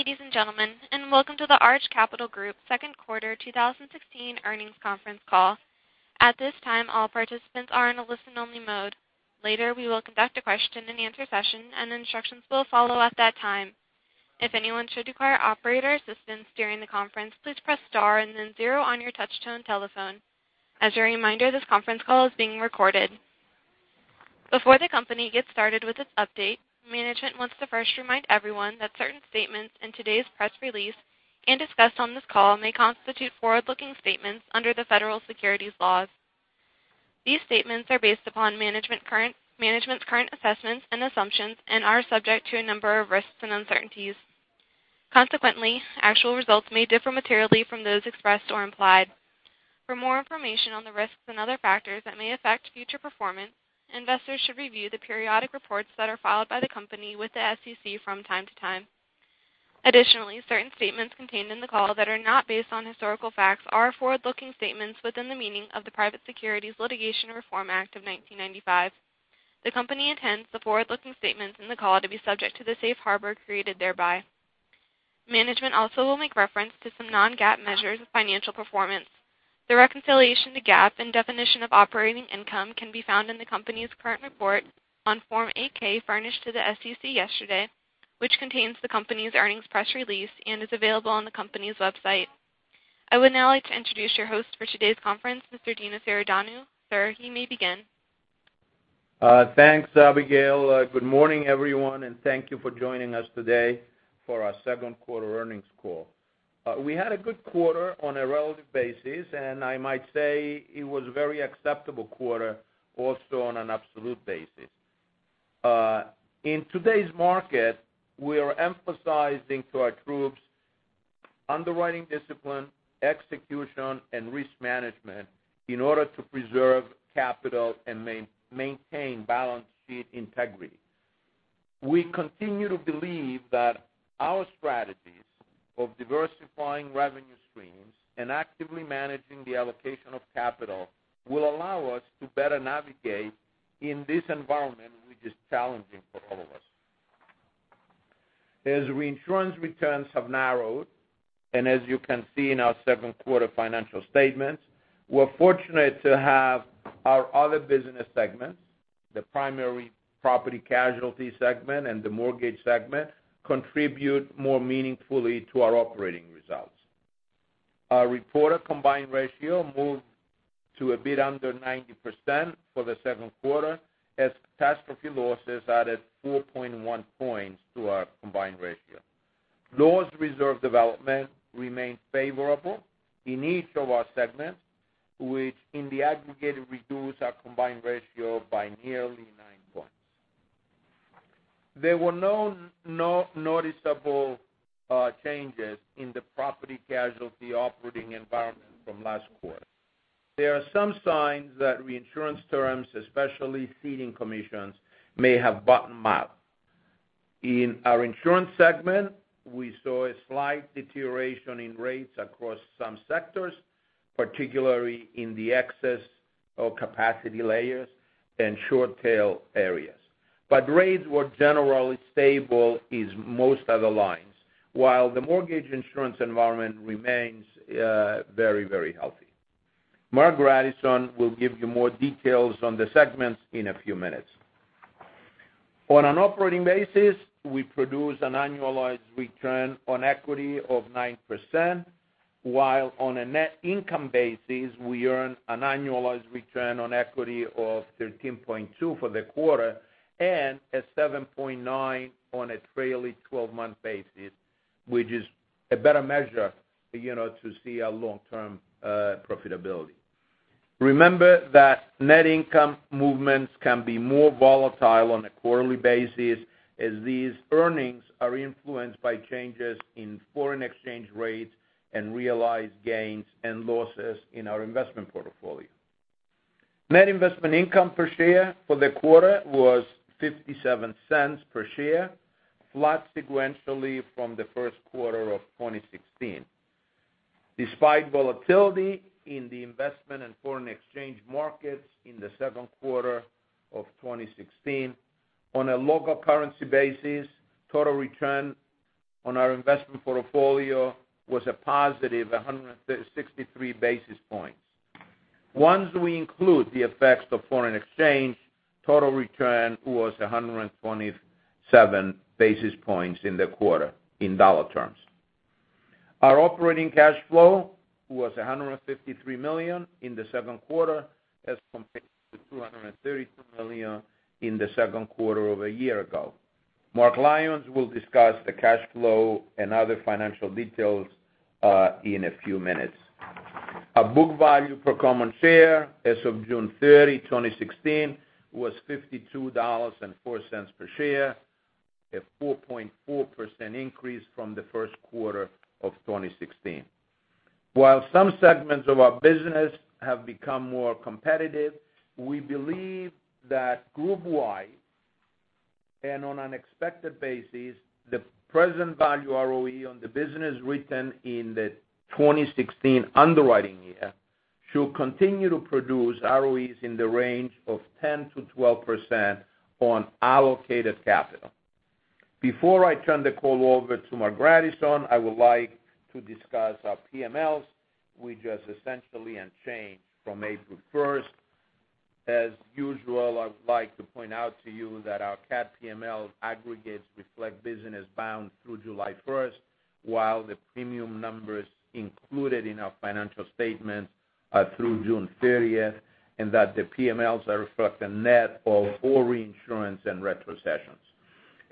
Good day, ladies and gentlemen, and welcome to the Arch Capital Group second quarter 2016 earnings conference call. At this time, all participants are in a listen-only mode. Later, we will conduct a question-and-answer session, and instructions will follow at that time. If anyone should require operator assistance during the conference, please press star and then zero on your touchtone telephone. As a reminder, this conference call is being recorded. Before the company gets started with its update, management wants to first remind everyone that certain statements in today's press release and discussed on this call may constitute forward-looking statements under the federal securities laws. These statements are based upon management's current assessments and assumptions and are subject to a number of risks and uncertainties. Consequently, actual results may differ materially from those expressed or implied. For more information on the risks and other factors that may affect future performance, investors should review the periodic reports that are filed by the company with the SEC from time to time. Additionally, certain statements contained in the call that are not based on historical facts are forward-looking statements within the meaning of the Private Securities Litigation Reform Act of 1995. The company intends the forward-looking statements in the call to be subject to the safe harbor created thereby. Management also will make reference to some non-GAAP measures of financial performance. The reconciliation to GAAP and definition of operating income can be found in the company's current report on Form 8-K furnished to the SEC yesterday, which contains the company's earnings press release and is available on the company's website. I would now like to introduce your host for today's conference, Mr. Dinos Iordanou. Sir, you may begin. Thanks, Abigail. Good morning, everyone, and thank you for joining us today for our second quarter earnings call. We had a good quarter on a relative basis, and I might say it was a very acceptable quarter also on an absolute basis. In today's market, we are emphasizing to our troops underwriting discipline, execution, and risk management in order to preserve capital and maintain balance sheet integrity. We continue to believe that our strategies of diversifying revenue streams and actively managing the allocation of capital will allow us to better navigate in this environment, which is challenging for all of us. As reinsurance returns have narrowed, and as you can see in our second quarter financial statements, we're fortunate to have our other business segments, the primary property casualty segment and the mortgage segment, contribute more meaningfully to our operating results. Our reported combined ratio moved to a bit under 90% for the second quarter as catastrophe losses added 4.1 points to our combined ratio. Loss reserve development remained favorable in each of our segments, which in the aggregate reduced our combined ratio by nearly nine points. There were no noticeable changes in the property casualty operating environment from last quarter. There are some signs that reinsurance terms, especially ceding commissions, may have bottomed out. In our insurance segment, we saw a slight deterioration in rates across some sectors, particularly in the excess of capacity layers and short-tail areas. Rates were generally stable in most other lines, while the mortgage insurance environment remains very healthy. Marc Grandisson will give you more details on the segments in a few minutes. On an operating basis, we produced an annualized return on equity of 9%, while on a net income basis, we earned an annualized return on equity of 13.2% for the quarter and a 7.9% on a trailing 12-month basis, which is a better measure to see our long-term profitability. Remember that net income movements can be more volatile on a quarterly basis, as these earnings are influenced by changes in foreign exchange rates and realized gains and losses in our investment portfolio. Net investment income per share for the quarter was $0.57 per share, flat sequentially from the first quarter of 2016. Despite volatility in the investment and foreign exchange markets in the second quarter of 2016, on a local currency basis, total return on our investment portfolio was a positive 163 basis points. Once we include the effects of foreign exchange, total return was 127 basis points in the quarter in dollar terms. Our operating cash flow was $153 million in the second quarter as compared to $232 million in the second quarter of a year ago. Mark Lyons will discuss the cash flow and other financial details in a few minutes. Our book value per common share as of June 30, 2016, was $52.04 per share, a 4.4% increase from the first quarter of 2016. While some segments of our business have become more competitive, we believe that group-wide and on an expected basis, the present value ROE on the business written in the 2016 underwriting year should continue to produce ROEs in the range of 10%-12% on allocated capital. Before I turn the call over to Marc Grandisson, I would like to discuss our PMLs we just essentially unchanged from April 1st. As usual, I would like to point out to you that our cat PML aggregates reflect business bound through July 1st, while the premium numbers included in our financial statements are through June 30th, and that the PMLs reflect a net of whole reinsurance and retrocessions.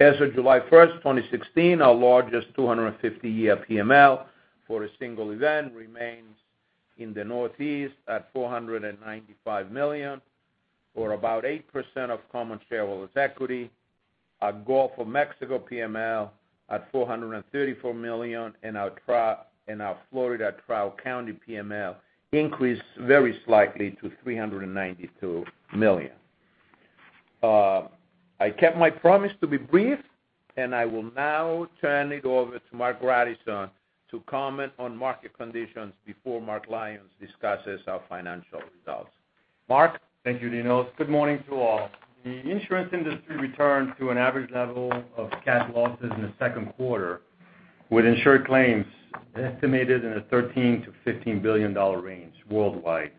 As of July 1st, 2016, our largest 250-year PML for a single event remains in the Northeast at $495 million, or about 8% of common shareholders' equity. Our Gulf of Mexico PML at $434 million, and our Florida Tri-County PML increased very slightly to $392 million. I kept my promise to be brief, I will now turn it over to Marc Grandisson to comment on market conditions before Mark Lyons discusses our financial results. Mark? Thank you, Dinos. Good morning to all. The insurance industry returned to an average level of cat losses in the second quarter, with insured claims estimated in a $13 billion-$15 billion range worldwide.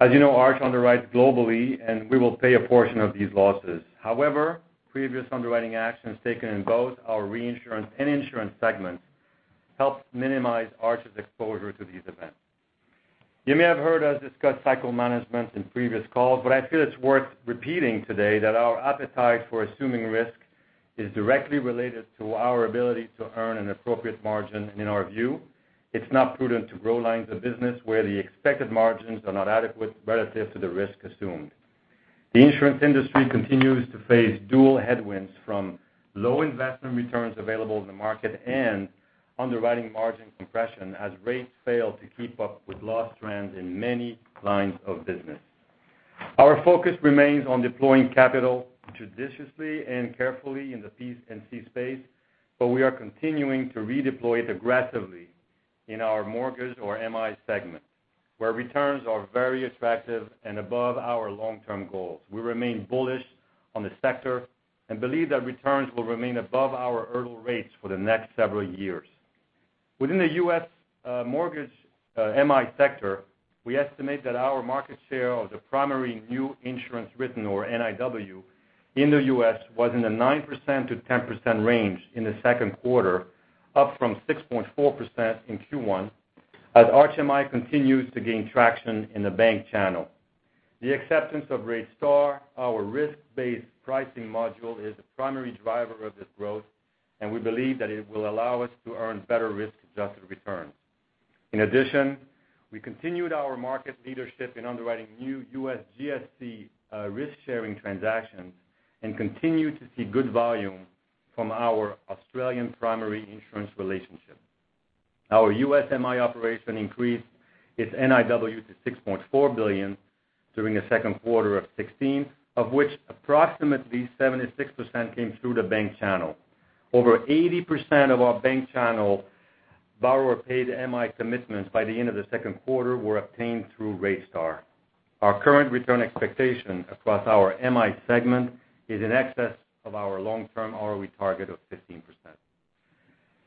As you know, Arch underwrites globally, we will pay a portion of these losses. However, previous underwriting actions taken in both our reinsurance and insurance segments helped minimize Arch's exposure to these events. You may have heard us discuss cycle management in previous calls, but I feel it's worth repeating today that our appetite for assuming risk is directly related to our ability to earn an appropriate margin. In our view, it's not prudent to grow lines of business where the expected margins are not adequate relative to the risk assumed. The insurance industry continues to face dual headwinds from low investment returns available in the market and underwriting margin compression as rates fail to keep up with loss trends in many lines of business. Our focus remains on deploying capital judiciously and carefully in the P&C space, but we are continuing to redeploy it aggressively in our mortgage or MI segment, where returns are very attractive and above our long-term goals. We remain bullish on the sector and believe that returns will remain above our hurdle rates for the next several years. Within the U.S. mortgage MI sector, we estimate that our market share of the primary new insurance written, or NIW, in the U.S. was in the 9%-10% range in the second quarter, up from 6.4% in Q1 as Arch MI n insurance/investment discussions, companies commonly refer to hurdle rates — the minimum required return or target return threshold used for capital allocation decisions. The acceptance of RateStar, our risk-based pricing module, is a primary driver of this growth, and we believe that it will allow us to earn better risk-adjusted returns. In addition, we continued our market leadership in underwriting new U.S. GSE risk-sharing transactions and continue to see good volume from our Australian primary insurance relationship. Our U.S. MI operation increased its NIW to $6.4 billion during the second quarter of 2016, of which approximately 76% came through the bank channel. Over 80% of our bank channel borrower-paid MI commitments by the end of the second quarter were obtained through RateStar. Our current return expectation across our MI segment is in excess of our long-term ROE target of 15%.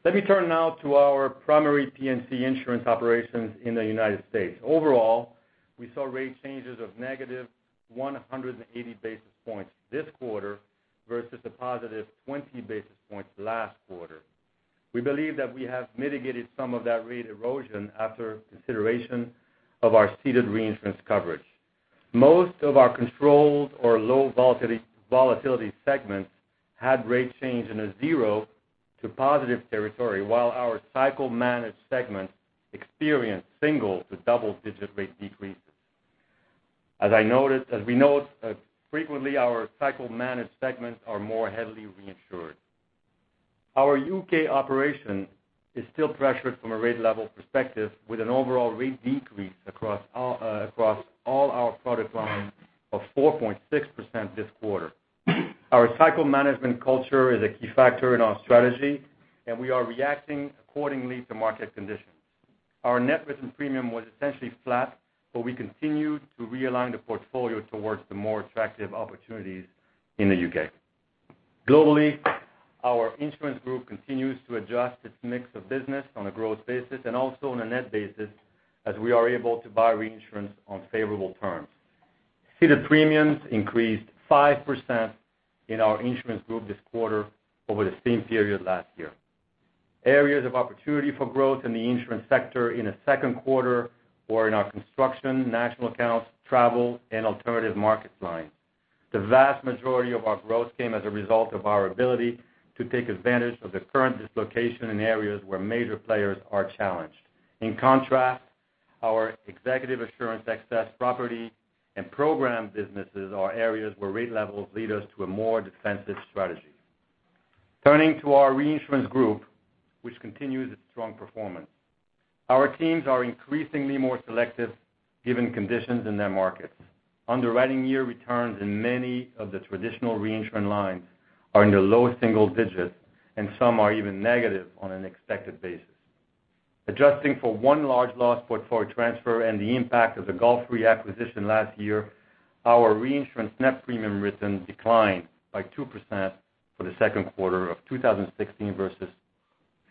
Let me turn now to our primary P&C insurance operations in the United States. Overall, we saw rate changes of negative 180 basis points this quarter versus a positive 20 basis points last quarter. We believe that we have mitigated some of that rate erosion after consideration of our ceded reinsurance coverage. Most of our controlled or low volatility segments had rate change in a zero to positive territory, while our cycle managed segments experienced single to double-digit rate decreases. As we note, frequently, our cycle managed segments are more heavily reinsured. Our U.K. operation is still pressured from a rate level perspective, with an overall rate decrease across all our product lines of 4.6% this quarter. Our cycle management culture is a key factor in our strategy, and we are reacting accordingly to market conditions. We continued to realign the portfolio towards the more attractive opportunities in the U.K. Globally, our insurance group continues to adjust its mix of business on a growth basis and also on a net basis as we are able to buy reinsurance on favorable terms. Ceded premiums increased 5% in our insurance group this quarter over the same period last year. Areas of opportunity for growth in the insurance sector in the second quarter were in our construction, national accounts, travel, and alternative markets lines. The vast majority of our growth came as a result of our ability to take advantage of the current dislocation in areas where major players are challenged. In contrast, our executive assurance, excess property, and program businesses are areas where rate levels lead us to a more defensive strategy. Turning to our reinsurance group, which continues its strong performance. Our teams are increasingly more selective given conditions in their markets. Underwriting year returns in many of the traditional reinsurance lines are in the low single digits, and some are even negative on an expected basis. Adjusting for one large loss for transfer and the impact of the GulfRe acquisition last year, our reinsurance net premium written declined by 2% for the second quarter of 2016 versus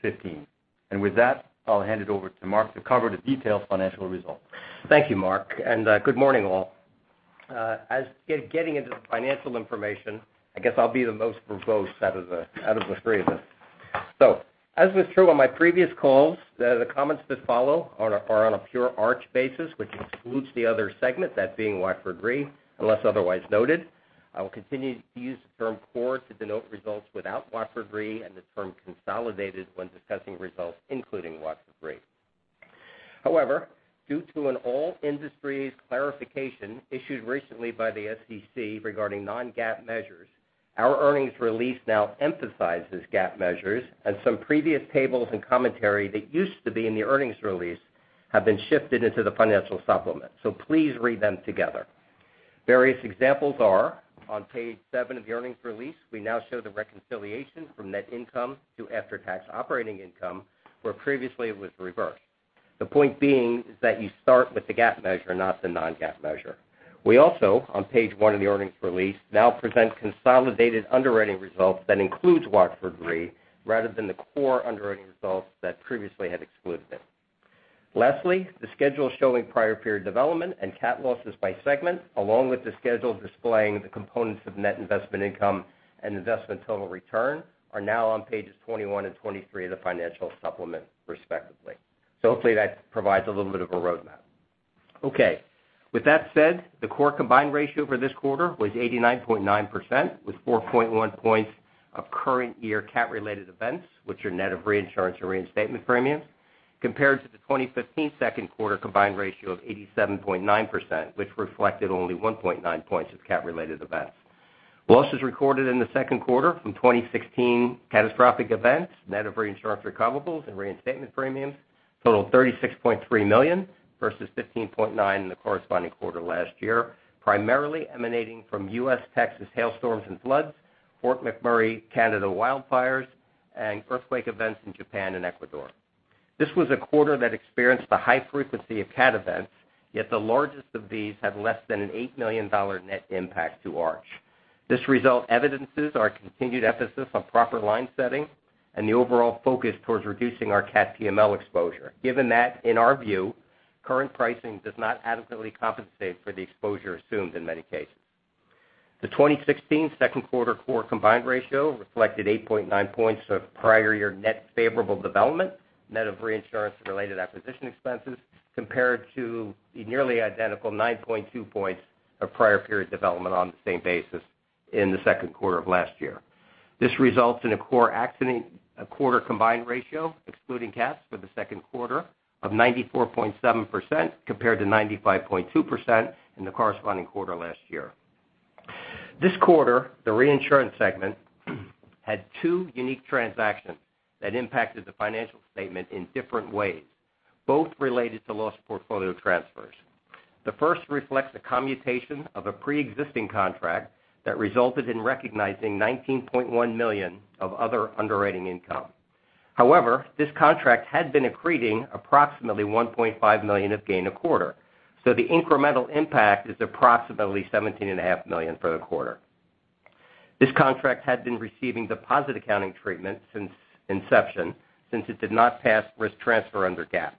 2015. With that, I'll hand it over to Mark Lyons to cover the detailed financial results. Thank you, Mark Lyons, and good morning all. Getting into the financial information, I guess I'll be the most verbose out of the three of us. As was true on my previous calls, the comments that follow are on a pure Arch basis, which excludes the other segment, that being Watford Re, unless otherwise noted. I will continue to use the term core to denote results without Watford Re and the term consolidated when discussing results, including Watford Re. However, due to an all-industries clarification issued recently by the SEC regarding non-GAAP measures, our earnings release now emphasizes GAAP measures and some previous tables and commentary that used to be in the earnings release have been shifted into the financial supplement. Please read them together. Various examples are on page seven of the earnings release, we now show the reconciliation from net income to after-tax operating income, where previously it was reversed. The point being is that you start with the GAAP measure, not the non-GAAP measure. We also, on page one of the earnings release, now present consolidated underwriting results that includes Watford Re rather than the core underwriting results that previously had excluded it. Lastly, the schedule showing prior period development and cat losses by segment, along with the schedule displaying the components of net investment income and investment total return, are now on pages 21 and 23 of the financial supplement respectively. Hopefully that provides a little bit of a roadmap. Okay. With that said, the core combined ratio for this quarter was 89.9% with 4.1 points of current year cat-related events, which are net of reinsurance and reinstatement premiums, compared to the 2015 second quarter combined ratio of 87.9%, which reflected only 1.9 points of cat-related events. Losses recorded in the second quarter from 2016 catastrophic events, net of reinsurance recoverables and reinstatement premiums, totaled $36.3 million versus $15.9 million in the corresponding quarter last year, primarily emanating from U.S. Texas hailstorms and floods, Fort McMurray, Canada wildfires, and earthquake events in Japan and Ecuador. This was a quarter that experienced a high frequency of cat events, yet the largest of these have less than an $8 million net impact to Arch. This result evidences our continued emphasis on proper line setting and the overall focus towards reducing our cat PML exposure, given that, in our view, current pricing does not adequately compensate for the exposure assumed in many cases. The 2016 second quarter core combined ratio reflected 8.9 points of prior year net favorable development, net of reinsurance and related acquisition expenses, compared to the nearly identical 9.2 points of prior period development on the same basis in the second quarter of last year. This results in a core accident quarter combined ratio, excluding cats for the second quarter of 94.7% compared to 95.2% in the corresponding quarter last year. This quarter, the reinsurance segment had two unique transactions that impacted the financial statement in different ways, both related to loss portfolio transfers. The first reflects a commutation of a pre-existing contract that resulted in recognizing $19.1 million of other underwriting income. However, this contract had been accreting approximately $1.5 million of gain a quarter. The incremental impact is approximately $17.5 million for the quarter. This contract had been receiving deposit accounting treatment since inception since it did not pass risk transfer under GAAP.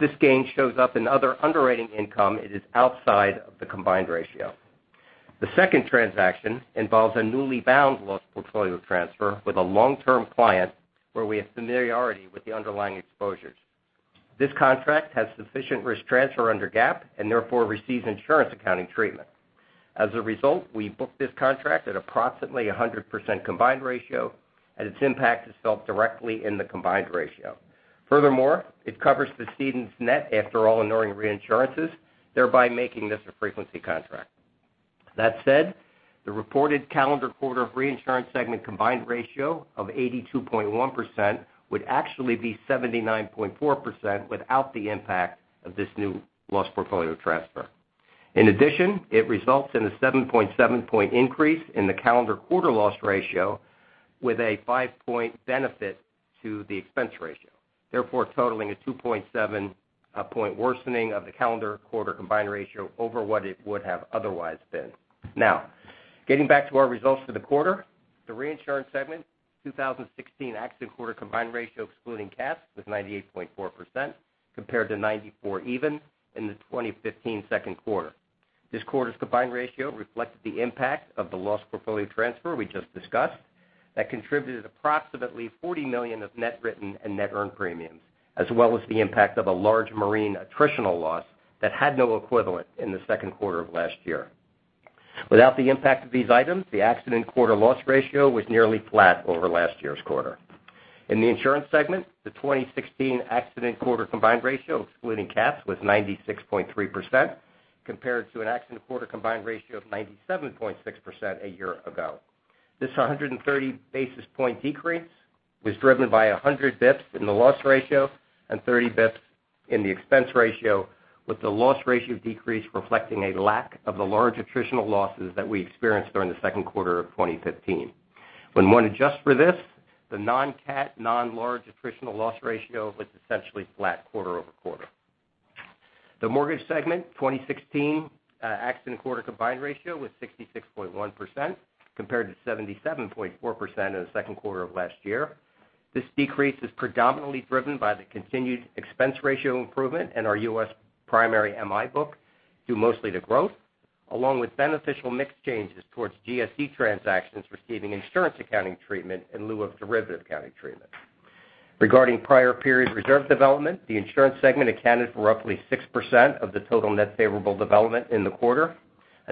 This gain shows up in other underwriting income, it is outside of the combined ratio. The second transaction involves a newly bound loss portfolio transfer with a long-term client where we have familiarity with the underlying exposures. This contract has sufficient risk transfer under GAAP and therefore receives insurance accounting treatment. As a result, we booked this contract at approximately 100% combined ratio and its impact is felt directly in the combined ratio. Furthermore, it covers the cedent's net after all enduring reinsurances, thereby making this a frequency contract. That said, the reported calendar quarter of reinsurance segment combined ratio of 82.1% would actually be 79.4% without the impact of this new loss portfolio transfer. In addition, it results in a 7.7 point increase in the calendar quarter loss ratio with a five-point benefit to the expense ratio, therefore totaling a 2.7 point worsening of the calendar quarter combined ratio over what it would have otherwise been. Getting back to our results for the quarter, the reinsurance segment 2016 accident quarter combined ratio excluding cats was 98.4% compared to 94 even in the 2015 second quarter. This quarter's combined ratio reflected the impact of the loss portfolio transfer we just discussed that contributed approximately $40 million of net written and net earned premiums, as well as the impact of a large marine attritional loss that had no equivalent in the second quarter of last year. Without the impact of these items, the accident quarter loss ratio was nearly flat over last year's quarter. In the insurance segment, the 2016 accident quarter combined ratio excluding cats was 96.3% compared to an accident quarter combined ratio of 97.6% a year ago. This 130 basis point decrease was driven by 100 basis points in the loss ratio and 30 basis points in the expense ratio, with the loss ratio decrease reflecting a lack of the large attritional losses that we experienced during the second quarter of 2015. When one adjusts for this, the non-cat, non-large attritional loss ratio was essentially flat quarter-over-quarter. The mortgage segment 2016 accident quarter combined ratio was 66.1%, compared to 77.4% in the second quarter of last year. This decrease is predominantly driven by the continued expense ratio improvement in our U.S. primary MI book, due mostly to growth, along with beneficial mix changes towards GSE transactions receiving insurance accounting treatment in lieu of derivative accounting treatment. Regarding prior period reserve development, the insurance segment accounted for roughly 6% of the total net favorable development in the quarter.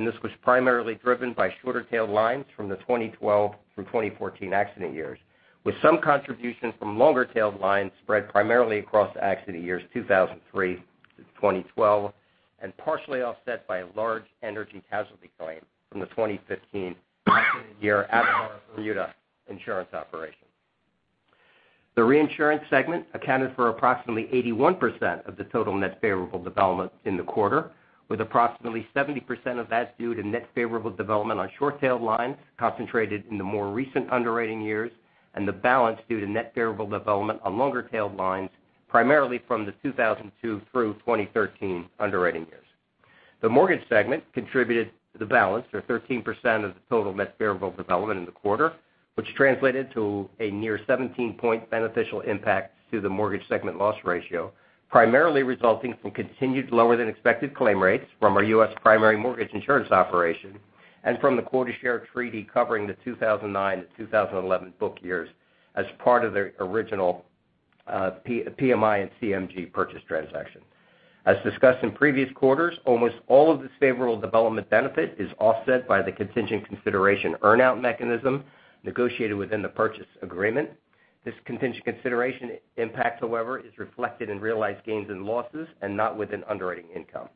This was primarily driven by shorter tail lines from the 2012 through 2014 accident years, with some contributions from longer tail lines spread primarily across accident years 2003 to 2012. Partially offset by a large energy casualty claim from the 2015 accident year out of our Bermuda insurance operation. The reinsurance segment accounted for approximately 81% of the total net favorable development in the quarter, with approximately 70% of that due to net favorable development on short-tailed lines concentrated in the more recent underwriting years. The balance due to net favorable development on longer-tailed lines, primarily from the 2002 through 2013 underwriting years. The mortgage segment contributed to the balance, or 13% of the total net favorable development in the quarter, which translated to a near 17-point beneficial impact to the mortgage segment loss ratio, primarily resulting from continued lower than expected claim rates from our U.S. primary mortgage insurance operation and from the quota share treaty covering the 2009 to 2011 book years as part of the original PMI and CMG purchase transaction. As discussed in previous quarters, almost all of this favorable development benefit is offset by the contingent consideration earn-out mechanism negotiated within the purchase agreement. This contingent consideration impact, however, is reflected in realized gains and losses and not within underwriting income.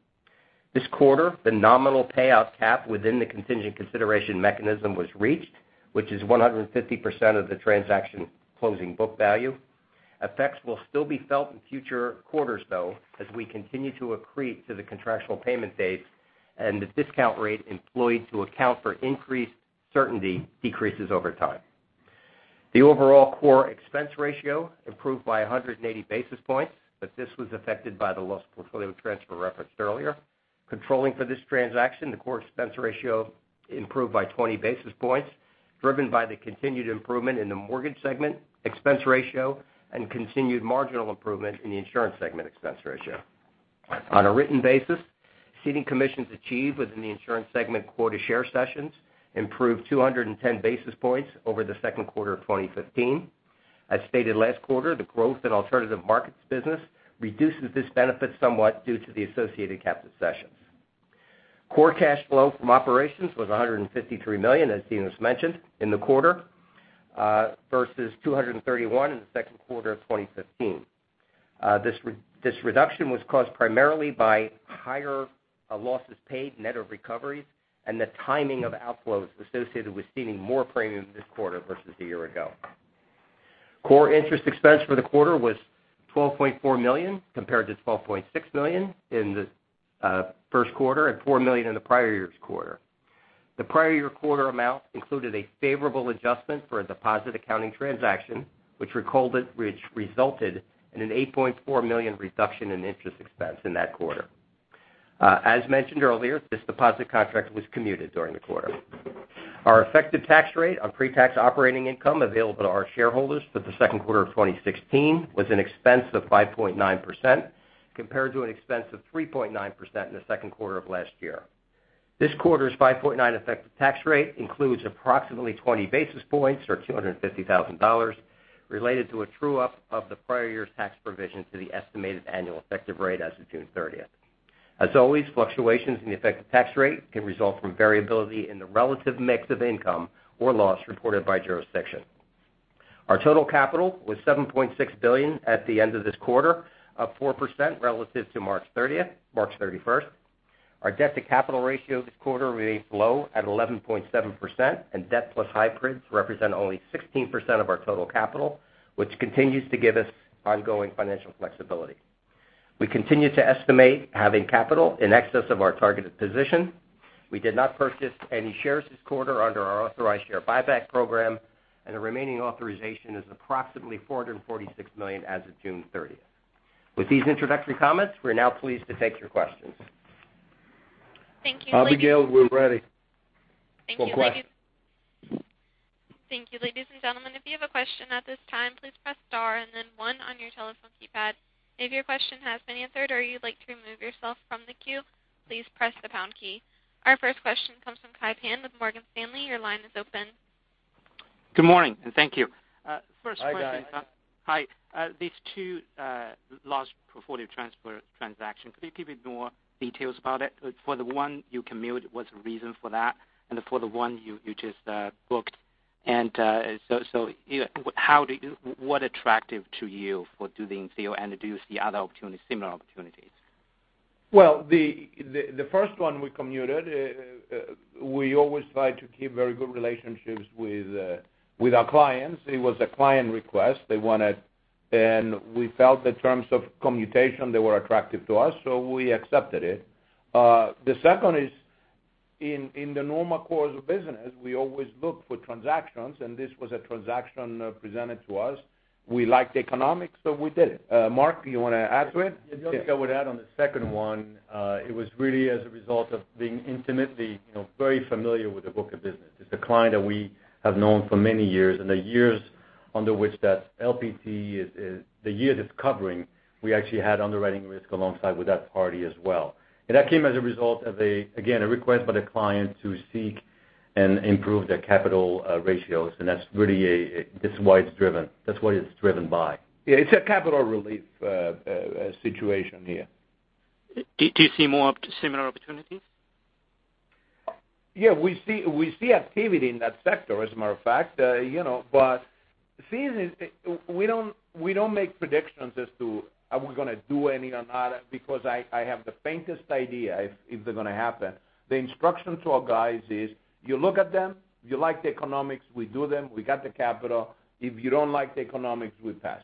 This quarter, the nominal payout cap within the contingent consideration mechanism was reached, which is 150% of the transaction closing book value. Effects will still be felt in future quarters, though, as we continue to accrete to the contractual payment dates and the discount rate employed to account for increased certainty decreases over time. The overall core expense ratio improved by 180 basis points. This was affected by the loss portfolio transfer referenced earlier. Controlling for this transaction, the core expense ratio improved by 20 basis points, driven by the continued improvement in the mortgage segment expense ratio and continued marginal improvement in the insurance segment expense ratio. On a written basis, ceding commissions achieved within the insurance segment quota share cessions improved 210 basis points over the second quarter of 2015. As stated last quarter, the growth in alternative markets business reduces this benefit somewhat due to the associated captive cessions. Core cash flow from operations was $153 million, as Dinos has mentioned, in the quarter versus $231 million in the second quarter of 2015. This reduction was caused primarily by higher losses paid net of recoveries and the timing of outflows associated with ceding more premium this quarter versus a year ago. Core interest expense for the quarter was $12.4 million compared to $12.6 million in the first quarter and $4 million in the prior year's quarter. The prior year quarter amount included a favorable adjustment for a deposit accounting transaction, which resulted in an $8.4 million reduction in interest expense in that quarter. As mentioned earlier, this deposit contract was commuted during the quarter. Our effective tax rate on pre-tax operating income available to our shareholders for the second quarter of 2016 was an expense of 5.9% compared to an expense of 3.9% in the second quarter of last year. This quarter's 5.9 effective tax rate includes approximately 20 basis points or $250,000 related to a true-up of the prior year's tax provision to the estimated annual effective rate as of June 30th. As always, fluctuations in the effective tax rate can result from variability in the relative mix of income or loss reported by jurisdiction. Our total capital was $7.6 billion at the end of this quarter, up 4% relative to March 31st. Our debt-to-capital ratio this quarter remains low at 11.7%, and debt plus hybrids represent only 16% of our total capital, which continues to give us ongoing financial flexibility. We continue to estimate having capital in excess of our targeted position. We did not purchase any shares this quarter under our authorized share buyback program, and the remaining authorization is approximately $446 million as of June 30th. With these introductory comments, we're now pleased to take your questions. Thank you. Abigail, we're ready for questions. Thank you, ladies and gentlemen. If you have a question at this time, please press star and then 1 on your telephone keypad. If your question has been answered or you'd like to remove yourself from the queue, please press the pound key. Our first question comes from Kai Pan with Morgan Stanley. Your line is open. Good morning, thank you. Hi, guys. Hi. These two large portfolio transfer transactions, could you give me more details about it? For the one you commuted, what's the reason for that? For the one you just booked, what attractive to you for doing so and do you see other similar opportunities? Well, the first one we commuted, we always try to keep very good relationships with our clients. It was a client request. They wanted, and we felt the terms of commutation, they were attractive to us, so we accepted it. The second is in the normal course of business, we always look for transactions, and this was a transaction presented to us. We liked the economics, so we did it. Mark, you want to add to it? The only thing I would add on the second one, it was really as a result of being intimately very familiar with the book of business. It's a client that we have known for many years, and the years under which that LPT is, the years it's covering, we actually had underwriting risk alongside with that party as well. That came as a result of, again, a request by the client to seek and improve their capital ratios. That's really why it's driven. That's what it's driven by. Yeah. It's a capital relief situation here. Do you see more similar opportunities? Yeah. We see activity in that sector as a matter of fact. The thing is, we don't make predictions as to are we going to do any or not, because I have the faintest idea if they're going to happen. The instruction to our guys is, you look at them. If you like the economics, we do them. We got the capital. If you don't like the economics, we pass.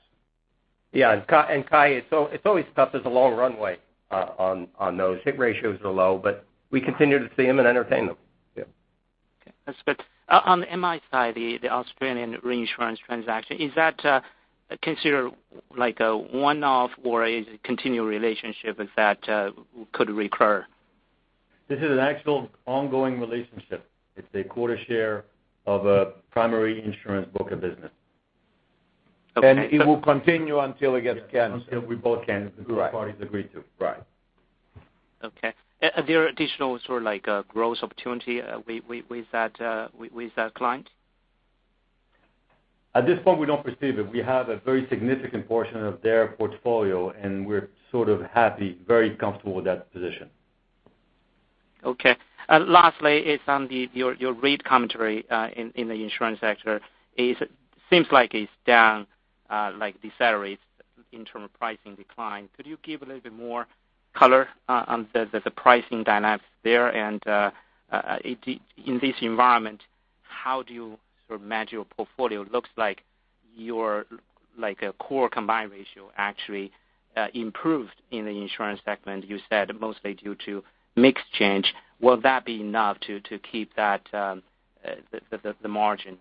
Yeah. Kai, it's always tough. There's a long runway on those. Hit ratios are low, we continue to see them and entertain them. Yeah. Okay. That's good. On the MI side, the Australian reinsurance transaction, is that considered like a one-off or is it continued relationship if that could recur? This is an actual ongoing relationship. It's a quarter share of a primary insurance book of business. It will continue until it gets canceled. Until we both cancel, the two parties agree to. Right. Right. Okay. Are there additional sort of growth opportunity with that client? At this point, we don't perceive it. We have a very significant portion of their portfolio, and we're sort of happy, very comfortable with that position. Okay. Lastly is on your rate commentary in the insurance sector. It seems like it's down, like decelerates in terms of pricing decline. Could you give a little bit more color on the pricing dynamics there and in this environment, how do you sort of manage your portfolio? Looks like your core combined ratio actually improved in the insurance segment, you said mostly due to mix change. Will that be enough to keep the margin?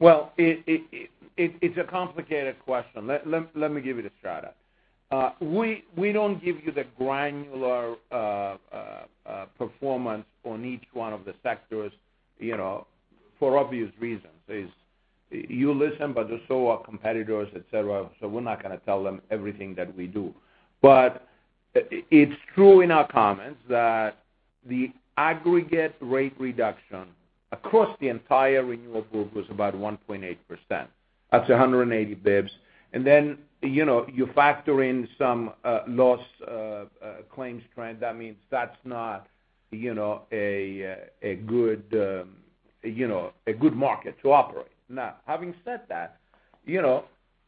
Well, it's a complicated question. Let me give you the strata. We don't give you the granular performance on each one of the sectors for obvious reasons, is you listen, but so are competitors, et cetera, so we're not going to tell them everything that we do. It's true in our comments that the aggregate rate reduction across the entire renewal group was about 1.8%. That's 180 basis points. Then you factor in some loss claims trend. That means that's not a good market to operate. Now, having said that,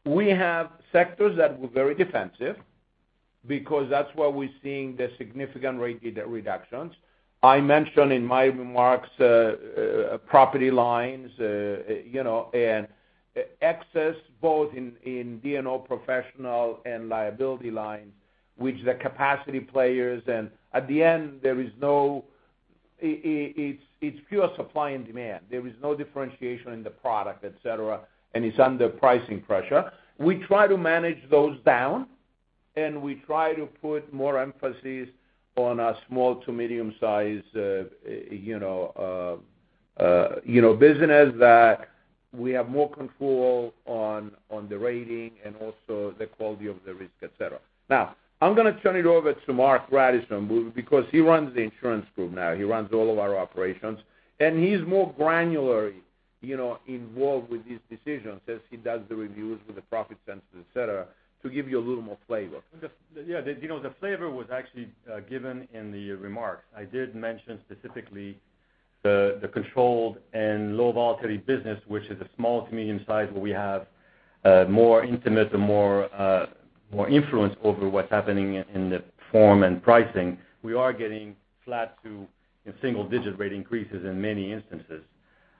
we have sectors that were very defensive because that's where we're seeing the significant rate reductions. I mentioned in my remarks, property lines, and excess both in D&O professional and liability lines, which the capacity players, and at the end, it's pure supply and demand. There is no differentiation in the product, et cetera, and it's under pricing pressure. We try to manage those down, and we try to put more emphasis on a small to medium size business that we have more control on the rating and also the quality of the risk, et cetera. Now, I'm going to turn it over to Marc Grandisson because he runs the insurance group now. He runs all of our operations, and he's more granularly involved with these decisions as he does the reviews with the profit centers, et cetera, to give you a little more flavor. Yeah. The flavor was actually given in the remarks. I did mention specifically the controlled and low volatility business, which is a small to medium size where we have more intimate and more influence over what's happening in the form and pricing. We are getting flat to single-digit rate increases in many instances.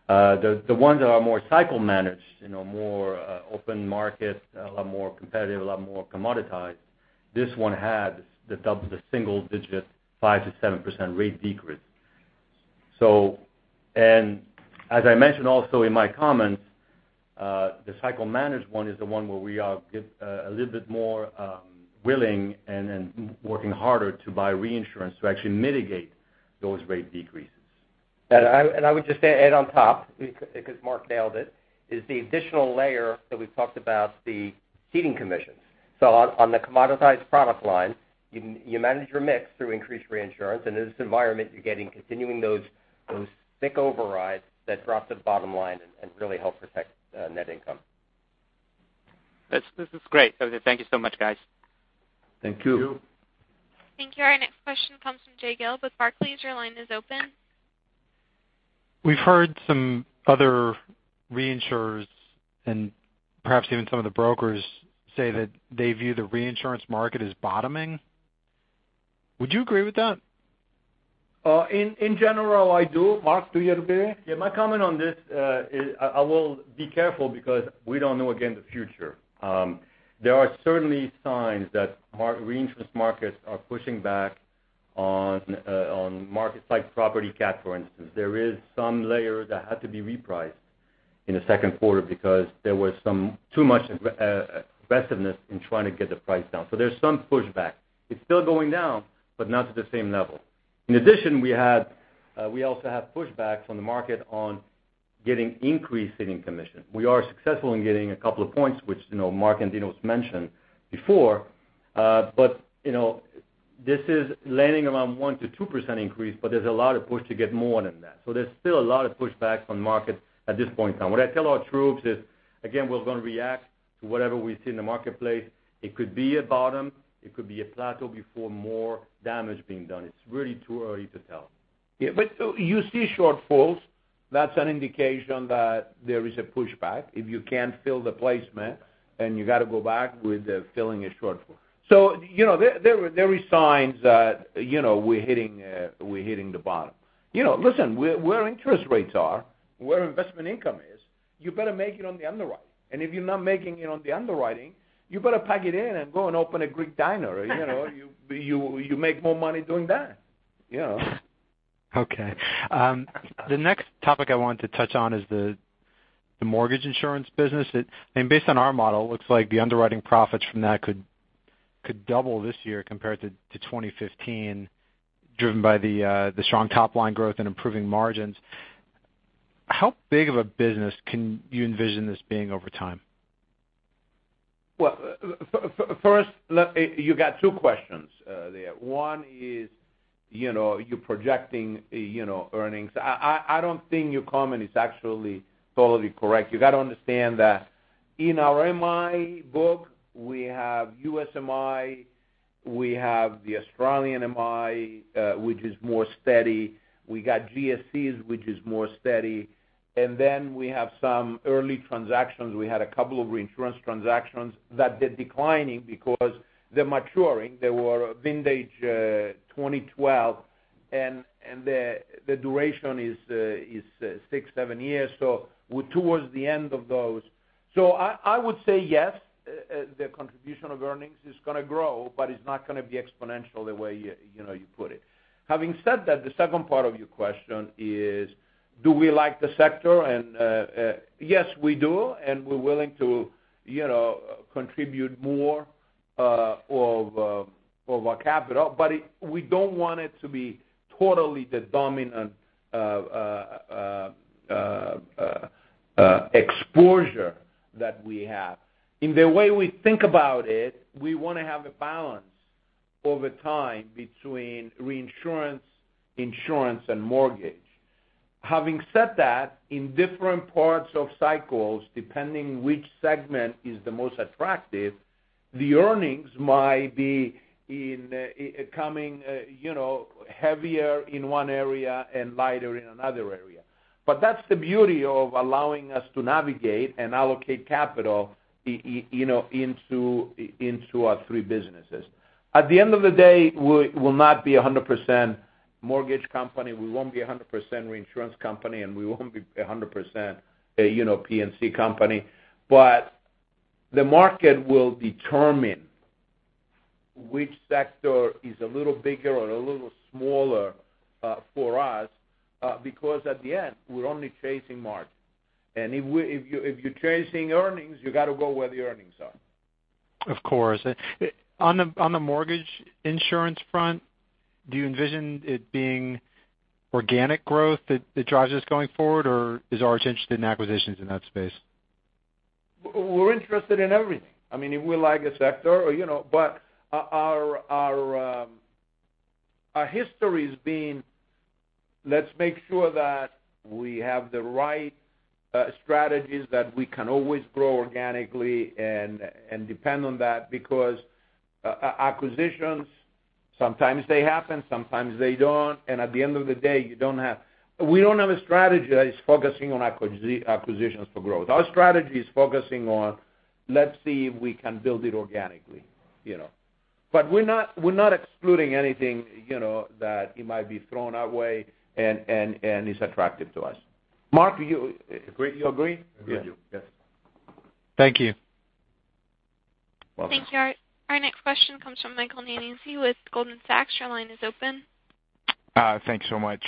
The ones that are more cycle managed, more open market, a lot more competitive, a lot more commoditized, this one had the double the single digit 5%-7% rate decrease. As I mentioned also in my comments, the cycle managed one is the one where we are a little bit more willing and working harder to buy reinsurance to actually mitigate those rate decreases. I would just add on top, because Mark nailed it, is the additional layer that we've talked about the ceding commissions. On the commoditized product line, you manage your mix through increased reinsurance, and in this environment, you're getting continuing those thick overrides that drop to the bottom line and really help protect net income. This is great. Okay, thank you so much, guys. Thank you. Thank you. Thank you. Our next question comes from Jay Gelb with Barclays. Your line is open. We've heard some other reinsurers, and perhaps even some of the brokers say that they view the reinsurance market as bottoming. Would you agree with that? In general, I do. Mark, do you agree? Yeah. My comment on this, I will be careful because we don't know, again, the future. There are certainly signs that reinsurance markets are pushing back on markets like property cat, for instance. There is some layer that had to be repriced in the second quarter because there was too much aggressiveness in trying to get the price down. There's some pushback. It's still going down, but not to the same level. In addition, we also have pushbacks on the market on getting increasing commission. We are successful in getting a couple of points, which Mark and Dinos mentioned before. This is landing around 1%-2% increase, but there's a lot of push to get more than that. There's still a lot of pushback from markets at this point in time. What I tell our troops is, again, we're going to react to whatever we see in the marketplace. It could be a bottom, it could be a plateau before more damage being done. It's really too early to tell. Yeah, you see shortfalls. That's an indication that there is a pushback if you can't fill the placement and you got to go back with filling a shortfall. There are signs that we're hitting the bottom. Listen, where interest rates are, where investment income is, you better make it on the underwriting. If you're not making it on the underwriting, you better pack it in and go and open a Greek diner. You make more money doing that. Okay. The next topic I wanted to touch on is the mortgage insurance business. Based on our model, looks like the underwriting profits from that could double this year compared to 2015, driven by the strong top-line growth and improving margins. How big of a business can you envision this being over time? Well, first, you got two questions there. One is you're projecting earnings. I don't think your comment is actually totally correct. You got to understand that in our MI book, we have U.S. MI, we have the Australian MI, which is more steady. We got GSEs, which is more steady. Then we have some early transactions. We had a couple of reinsurance transactions that they're declining because they're maturing. They were vintage 2012, and the duration is six, seven years. We're towards the end of those. I would say yes, the contribution of earnings is going to grow, but it's not going to be exponential the way you put it. Having said that, the second part of your question is, do we like the sector? Yes, we do, and we're willing to contribute more of our capital, but we don't want it to be totally the dominant exposure that we have. In the way we think about it, we want to have a balance over time between reinsurance, insurance, and mortgage. Having said that, in different parts of cycles, depending which segment is the most attractive, the earnings might be coming heavier in one area and lighter in another area. That's the beauty of allowing us to navigate and allocate capital into our three businesses. At the end of the day, we will not be 100% mortgage company, we won't be 100% reinsurance company, and we won't be 100% a P&C company. The market will determine which sector is a little bigger or a little smaller for us because at the end, we're only chasing market. If you're chasing earnings, you got to go where the earnings are. Of course. On the mortgage insurance front, do you envision it being organic growth that drives this going forward, or is Arch interested in acquisitions in that space? We're interested in everything. If we like a sector but our history has been, let's make sure that we have the right strategies that we can always grow organically and depend on that because acquisitions, sometimes they happen, sometimes they don't, and at the end of the day, we don't have a strategy that is focusing on acquisitions for growth. Our strategy is focusing on let's see if we can build it organically. We're not excluding anything that it might be thrown our way and is attractive to us. Mark, you agree? Agree with you. Yes. Thank you. Welcome. Thank you. Our next question comes from Michael Nannizzi with Goldman Sachs. Your line is open. Thanks so much.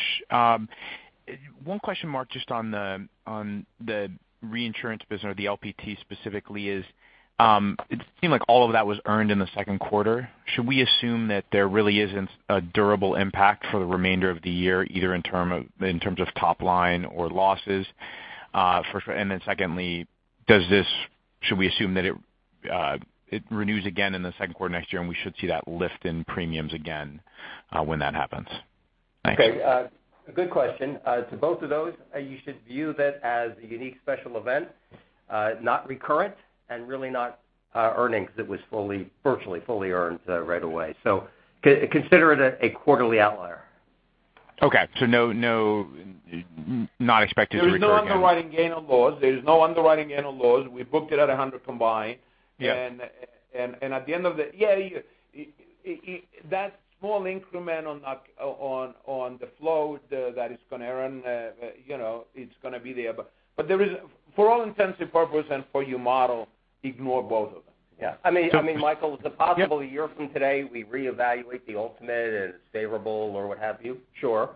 One question, Marc, just on the reinsurance business or the LPT specifically is, it seemed like all of that was earned in the second quarter. Should we assume that there really isn't a durable impact for the remainder of the year, either in terms of top line or losses? Secondly, should we assume that it renews again in the second quarter next year, and we should see that lift in premiums again when that happens? Thanks. Okay. Good question. To both of those, you should view that as a unique special event. Not recurrent and really not earnings. It was virtually fully earned right away. Consider it a quarterly outlier. Okay, not expected to recur again. There is no underwriting gain or loss. There is no underwriting gain or loss. We booked it at 100 combined. Yeah. At the end of the Yeah. That small increment on the flow that is going to earn, it's going to be there. There is, for all intents and purposes and for your model, ignore both of them. Yeah. I mean, Michael, is it possible? Yeah A year from today we reevaluate the ultimate as favorable or what have you? Sure.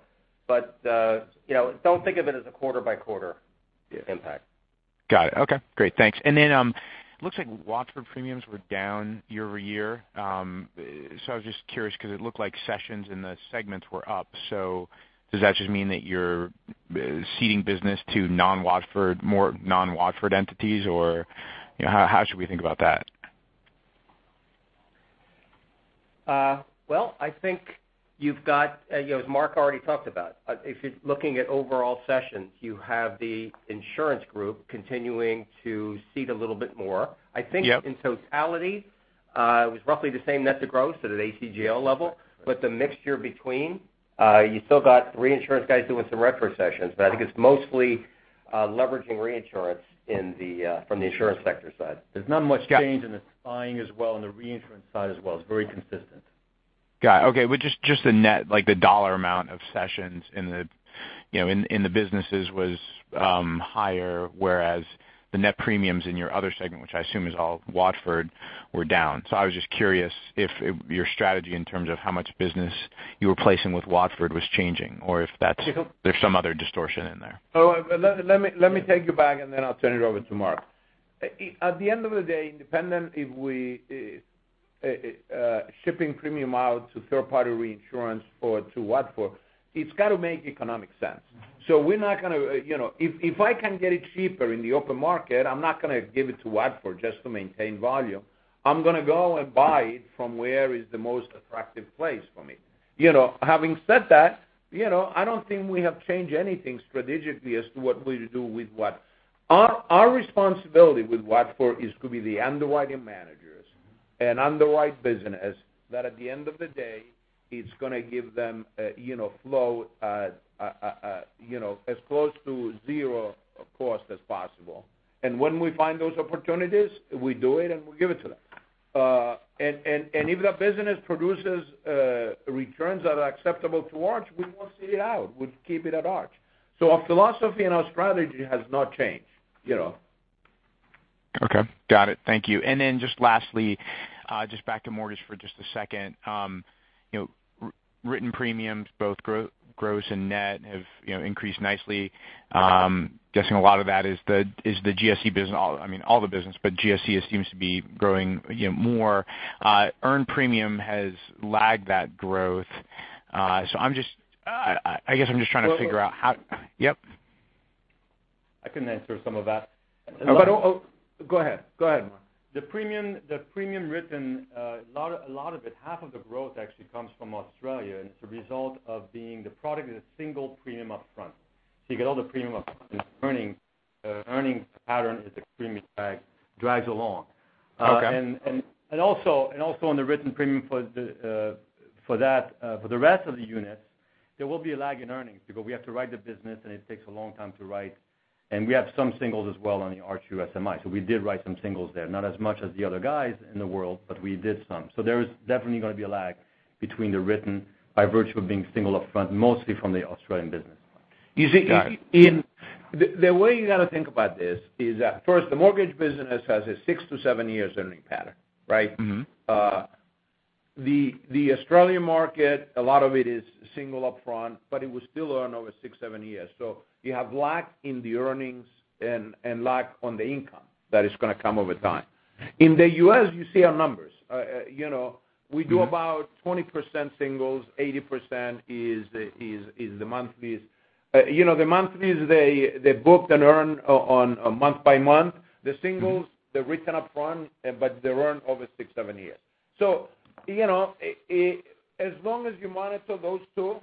Don't think of it as a quarter by quarter impact. Got it. Okay, great. Thanks. It looks like Watford premiums were down year-over-year. I was just curious because it looked like sessions in the segments were up. Does that just mean that you're ceding business to more non-Watford entities? How should we think about that? Well, I think you've got, as Mark already talked about, if you're looking at overall sessions, you have the insurance group continuing to cede a little bit more. Yeah. I think in totality, it was roughly the same net to gross at an ACGL level. You still got reinsurance guys doing some retrocessions, but I think it's mostly leveraging reinsurance from the insurance sector side. There's not much change. Got it. in the buying as well, on the reinsurance side as well. It is very consistent. Got it. Okay. Just the net, like the $ amount of sessions in the businesses was higher, whereas the net premiums in your other segment, which I assume is all Watford, were down. I was just curious if your strategy in terms of how much business you were placing with Watford was changing, or if there is some other distortion in there. Let me take you back, and then I will turn it over to Mark. At the end of the day, independent if we shipping premium out to third party reinsurance or to Watford, it has got to make economic sense. We are not going to, if I can get it cheaper in the open market, I am not going to give it to Watford just to maintain volume. I am going to go and buy it from where is the most attractive place for me. Having said that, I do not think we have changed anything strategically as to what we do with Watford. Our responsibility with Watford is to be the underwriting managers and underwrite business that at the end of the day, it is going to give them flow as close to zero cost as possible. When we find those opportunities, we do it, and we give it to them. If the business produces returns that are acceptable to Arch, we will not cede it out. We will keep it at Arch. Our philosophy and our strategy has not changed. Okay. Got it. Thank you. Just lastly, just back to mortgage for just a second. Written premiums, both gross and net have increased nicely. I'm guessing a lot of that is the GSE business, I mean, all the business, but GSE seems to be growing more. Earned premium has lagged that growth. I guess I'm just trying to figure out how- Well- Yep. I can answer some of that. But- Go ahead. Go ahead, Mark. The premium written, a lot of it, half of the growth actually comes from Australia, and it's a result of being the product is a single premium upfront. You get all the premium upfront, and the earnings pattern is extremely dragged, drags along. Okay. Also on the written premium for the rest of the units, there will be a lag in earnings because we have to write the business, and it takes a long time to write. We have some singles as well on the Arch SMIs. We did write some singles there, not as much as the other guys in the world, but we did some. There is definitely going to be a lag between the written by virtue of being single upfront, mostly from the Australian business. Got it. The way you got to think about this is that first, the mortgage business has a six to seven years earning pattern, right? The Australian market, a lot of it is single upfront, but it will still earn over six, seven years. You have lag in the earnings and lag on the income that is going to come over time. In the U.S., you see our numbers. We do about 20% singles, 80% is the monthlies. The monthlies, they book and earn on a month by month. The singles, they're written upfront, but they earn over six, seven years. As long as you monitor those two,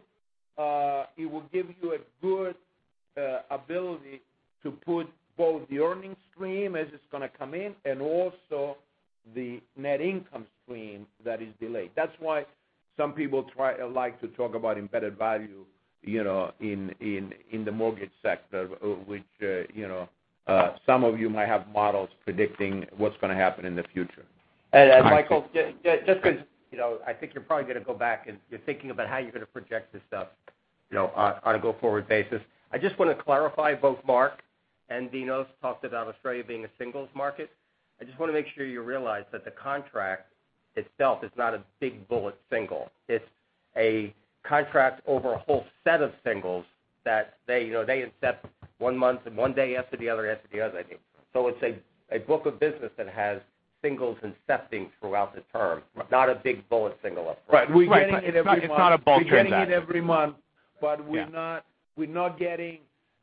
it will give you a good ability to put both the earnings stream as it's going to come in and also the net income stream that is delayed. That's why some people like to talk about embedded value in the mortgage sector, which some of you might have models predicting what's going to happen in the future. Michael, just because I think you're probably going to go back, and you're thinking about how you're going to project this stuff on a go-forward basis. I just want to clarify, both Mark and Dinos talked about Australia being a singles market. I just want to make sure you realize that the contract itself is not a big bullet single. It's a contract over a whole set of singles that they accept one month and one day after the other after the other after. It's a book of business that has singles and accepting throughout the term. Right. Not a big bullet single upfront. Right. We're getting it every month. It's not a bulk transaction. We're getting it every month, but we're not getting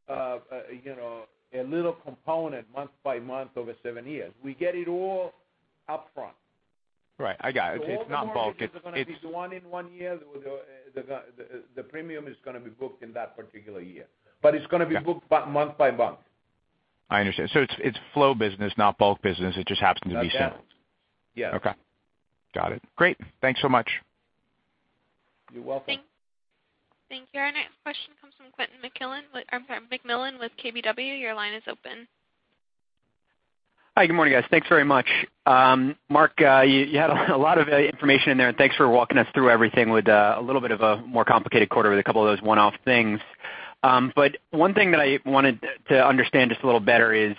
a little component month by month over seven years. We get it all upfront. Right. I got it. It's not bulk. All the mortgages are going to be one in one year. The premium is going to be booked in that particular year. It's going to be Yeah booked back month by month. I understand. It's flow business, not bulk business. It just happens to be settled. Like that. Yeah. Okay. Got it. Great. Thanks so much. You're welcome. Thank you. Our next question comes from Quentin McMillan with KBW. Your line is open. Hi, good morning, guys. Thanks very much. Mark, you had a lot of information in there, thanks for walking us through everything with a little bit of a more complicated quarter with a couple of those one-off things. One thing that I wanted to understand just a little better is,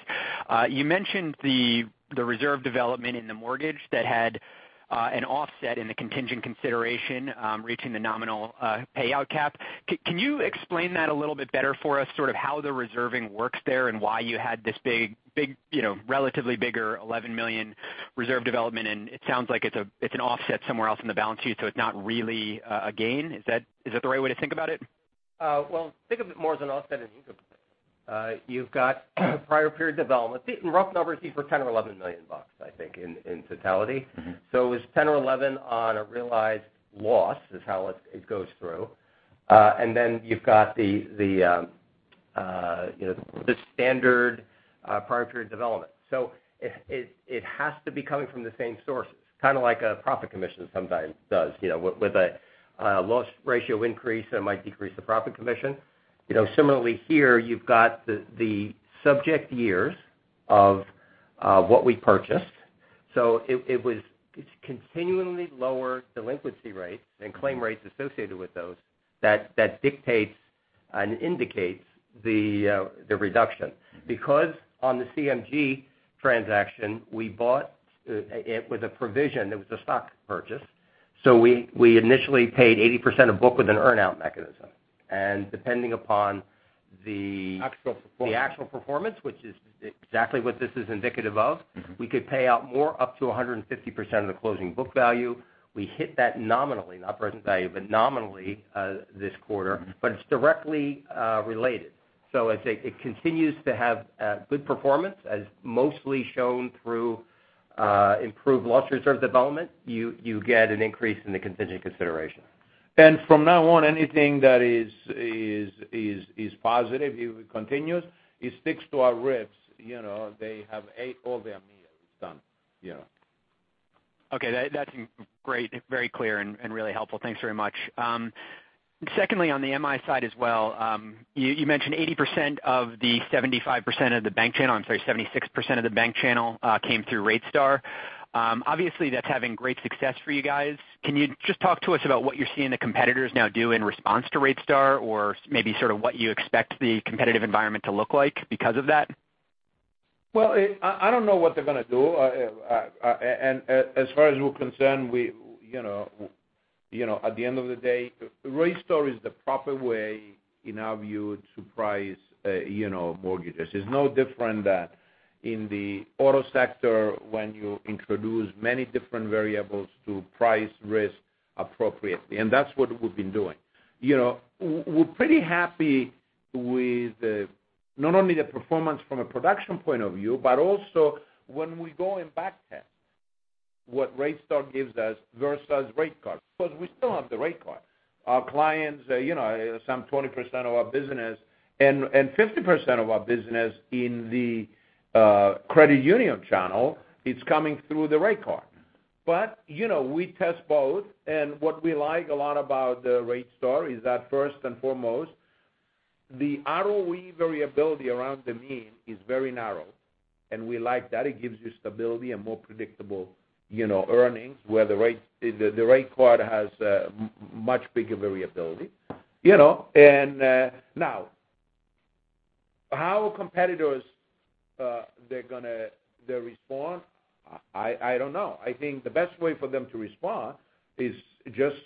you mentioned the reserve development in the mortgage that had an offset in the contingent consideration, reaching the nominal payout cap. Can you explain that a little bit better for us, sort of how the reserving works there and why you had this relatively bigger $11 million reserve development? It sounds like it's an offset somewhere else in the balance sheet, so it's not really a gain. Is that the right way to think about it? Well, think of it more as an offset than you could. You've got prior period development. In rough numbers, these were $10 or $11 million, I think, in totality. It was $10 or $11 on a realized loss, is how it goes through. Then you've got the standard prior period development. It has to be coming from the same sources, kind of like a profit commission sometimes does. With a loss ratio increase, it might decrease the profit commission. Similarly here, you've got the subject years of what we purchased. It's continually lower delinquency rates and claim rates associated with those that dictates and indicates the reduction. Because on the CMG transaction, we bought it with a provision. It was a stock purchase. We initially paid 80% of book with an earn-out mechanism. Depending upon the- Actual performance the actual performance, which is exactly what this is indicative of. we could pay out more, up to 150% of the closing book value. We hit that nominally, not present value, but nominally this quarter. It's directly related. As it continues to have good performance as mostly shown through improved loss reserve development, you get an increase in the contingent consideration. From now on, anything that is positive, it continues. It sticks to our ribs. They have ate all their meals. It's done. Okay. That's great. Very clear and really helpful. Thanks very much. Secondly, on the MI side as well. You mentioned 80% of the 75% of the bank channel, 76% of the bank channel came through RateStar. Obviously, that's having great success for you guys. Can you just talk to us about what you're seeing the competitors now do in response to RateStar? Or maybe sort of what you expect the competitive environment to look like because of that? Well, I don't know what they're going to do. As far as we're concerned, at the end of the day, RateStar is the proper way, in our view, to price mortgages. It's no different than in the auto sector when you introduce many different variables to price risk appropriately, and that's what we've been doing. We're pretty happy with not only the performance from a production point of view, but also when we go and back test what RateStar gives us versus RateCard, because we still have the RateCard. Our clients, some 20% of our business and 50% of our business in the credit union channel, it's coming through the RateCard. We test both, and what we like a lot about RateStar is that first and foremost, the ROE variability around the mean is very narrow, and we like that. It gives you stability and more predictable earnings, where the RateCard has much bigger variability. Now, how competitors they're going to respond, I don't know. I think the best way for them to respond is just,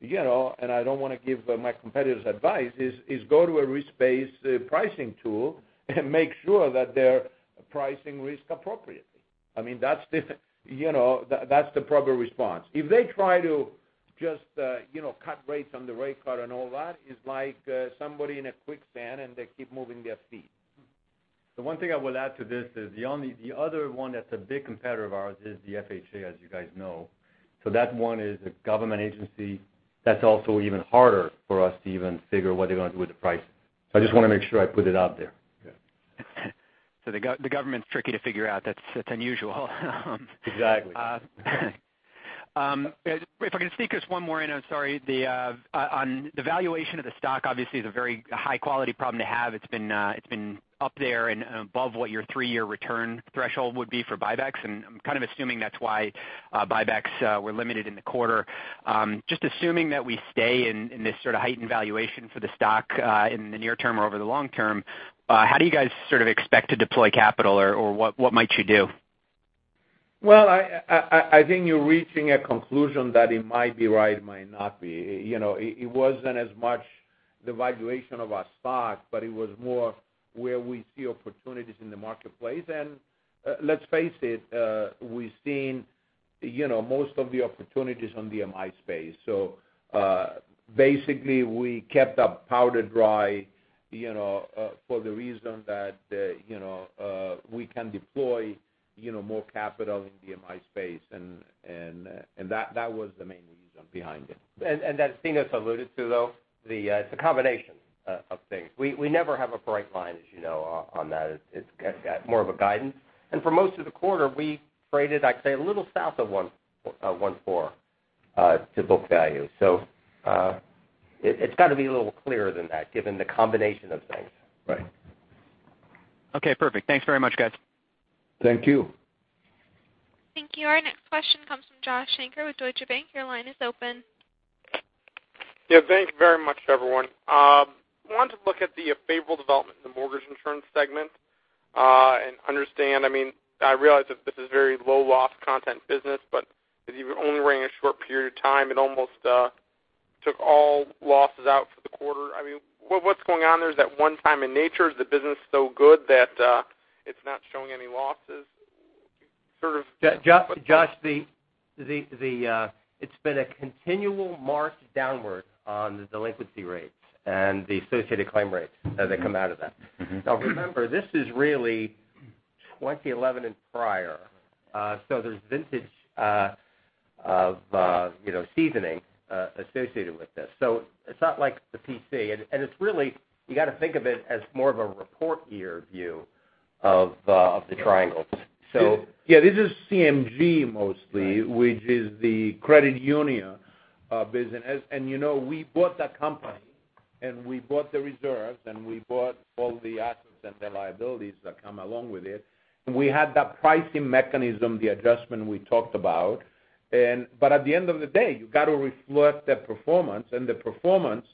and I don't want to give my competitors advice, is go to a risk-based pricing tool and make sure that they're pricing risk appropriately. That's the proper response. If they try to just cut rates on the RateCard and all that, it's like somebody in a quicksand, and they keep moving their feet. The one thing I will add to this is the other one that's a big competitor of ours is the FHA, as you guys know. That one is a government agency that's also even harder for us to even figure what they're going to do with the pricing. I just want to make sure I put it out there. Yeah. The government's tricky to figure out. That's unusual. Exactly. If I can sneak this one more in, I'm sorry. On the valuation of the stock, obviously it's a very high-quality problem to have. It's been up there and above what your three-year return threshold would be for buybacks, and I'm kind of assuming that's why buybacks were limited in the quarter. Just assuming that we stay in this sort of heightened valuation for the stock, in the near term or over the long term, how do you guys sort of expect to deploy capital, or what might you do? Well, I think you're reaching a conclusion that it might be right, it might not be. It wasn't as much the valuation of our stock, but it was more where we see opportunities in the marketplace. Let's face it, we've seen most of the opportunities on the MI space. Basically, we kept up powder dry for the reason that we can deploy more capital in the MI space, and that was the main reason behind it. That thing that's alluded to though, it's a combination of things. We never have a bright line, as you know, on that. It's more of a guidance. For most of the quarter, we traded, I'd say, a little south of 1.4 to book value. It's got to be a little clearer than that given the combination of things. Right. Okay, perfect. Thanks very much, guys. Thank you. Thank you. Our next question comes from Joshua Shanker with Deutsche Bank. Your line is open. Yeah. Thank you very much, everyone. Wanted to look at the favorable development in the mortgage insurance segment, and understand, I realize that this is very low loss content business, but if you only ran a short period of time, it almost took all losses out for the quarter. What's going on there? Is that one time in nature? Is the business so good that it's not showing any losses? Josh, it's been a continual march downward on the delinquency rates and the associated claim rates as they come out of that. remember, this is really 2011 and prior, so there's vintage of seasoning associated with this. it's not like the P&C, and you got to think of it as more of a report year view of the triangles. Yeah, this is CMG mostly. Right which is the credit union business. We bought that company, and we bought the reserves, and we bought all the assets and the liabilities that come along with it. We had that pricing mechanism, the adjustment we talked about. At the end of the day, you got to reflect the performance, and the performance,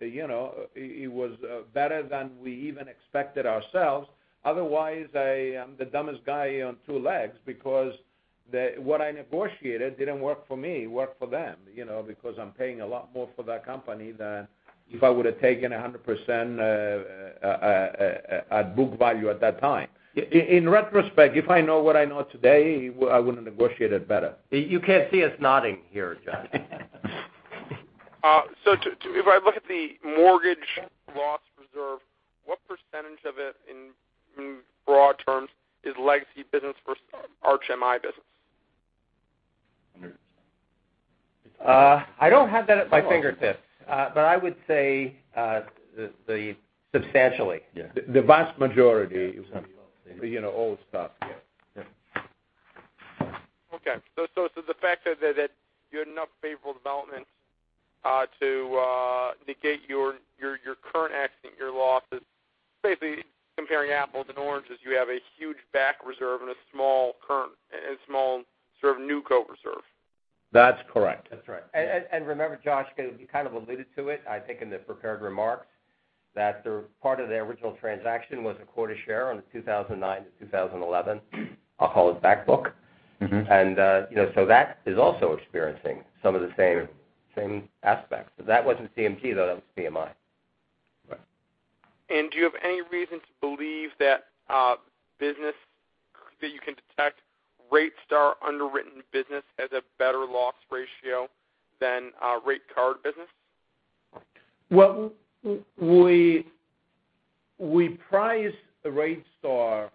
it was better than we even expected ourselves. Otherwise, I am the dumbest guy on two legs because what I negotiated didn't work for me, it worked for them, because I'm paying a lot more for that company than if I would've taken 100% at book value at that time. In retrospect, if I know what I know today, I would've negotiated better. You can't see us nodding here, Josh. If I look at the mortgage loss reserve, what % of it in broad terms is legacy business versus Arch MI business? 100%. I don't have that at my fingertips. I would say substantially. Yeah. The vast majority is old stuff. Yeah. Yeah. Okay. It's the fact that you had enough favorable developments to negate your current accident year losses. Basically comparing apples and oranges, you have a huge back reserve and a small sort of new co reserve. That's correct. That's right. Remember, Josh, because you kind of alluded to it, I think, in the prepared remarks, that part of the original transaction was a quarter share on the 2009 to 2011, I'll call it, back book. That is also experiencing some of the same aspects. That wasn't CMG though, that was PMI. Right. Do you have any reason to believe that business that you can detect RateStar underwritten business as a better loss ratio than Rate Card business? We price RateStar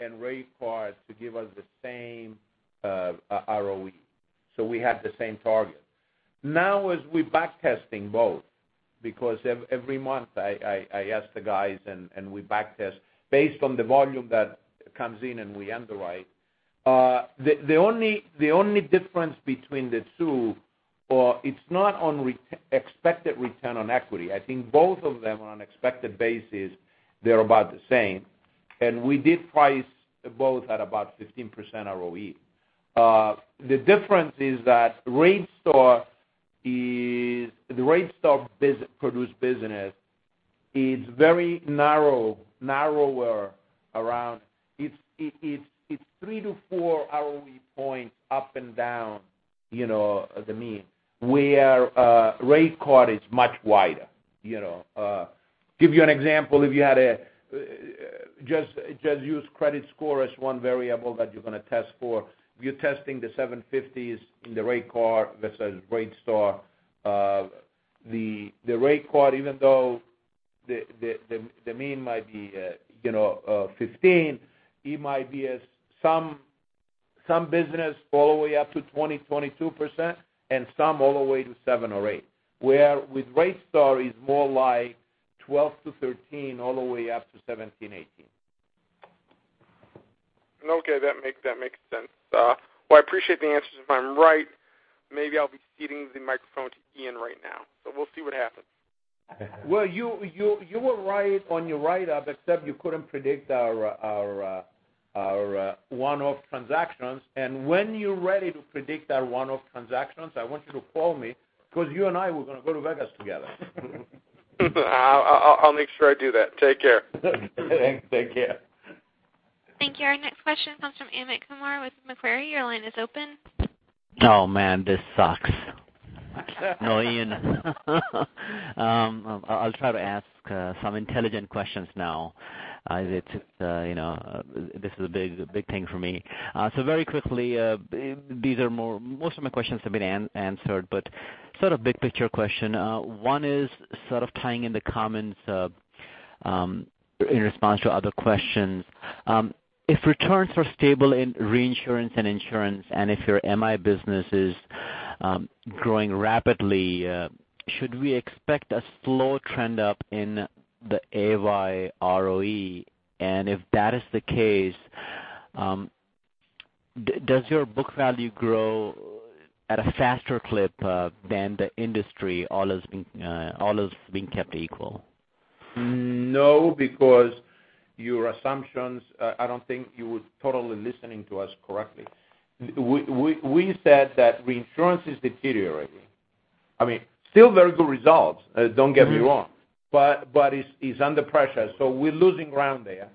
and Rate Card to give us the same ROE. We have the same target. As we're back testing both, because every month I ask the guys and we back test based on the volume that comes in and we underwrite. The only difference between the two, it's not on expected return on equity. I think both of them on an expected basis, they're about the same. We did price both at about 15% ROE. The difference is that RateStar produced business is very narrower around. It's three to four ROE points up and down the mean, where Rate Card is much wider. Give you an example, just use credit score as one variable that you're going to test for. If you're testing the 750s in the Rate Card versus RateStar, the Rate Card, even though the mean might be 15, it might be some business all the way up to 20, 22%, and some all the way to seven or eight. Where with RateStar it's more like 12 to 13, all the way up to 17, 18. That makes sense. I appreciate the answers. If I'm right, maybe I'll be ceding the microphone to Ian right now. We'll see what happens. Well, you were right on your write-up, except you couldn't predict our one-off transactions. When you're ready to predict our one-off transactions, I want you to call me, because you and I, we're going to go to Vegas together. I'll make sure I do that. Take care. Thanks. Take care. Thank you. Our next question comes from Amit Kumar with Macquarie. Your line is open. Oh, man, this sucks. No, Ian. I'll try to ask some intelligent questions now. This is a big thing for me. Very quickly, most of my questions have been answered, but sort of big picture question. One is sort of tying in the comments in response to other questions If returns are stable in reinsurance and insurance, and if your MI business is growing rapidly, should we expect a slow trend up in the A Y ROE? If that is the case, does your book value grow at a faster clip than the industry, all else being kept equal? No, because your assumptions, I don't think you were totally listening to us correctly. We said that reinsurance is deteriorating. I mean, still very good results, don't get me wrong. It's under pressure, so we're losing ground there.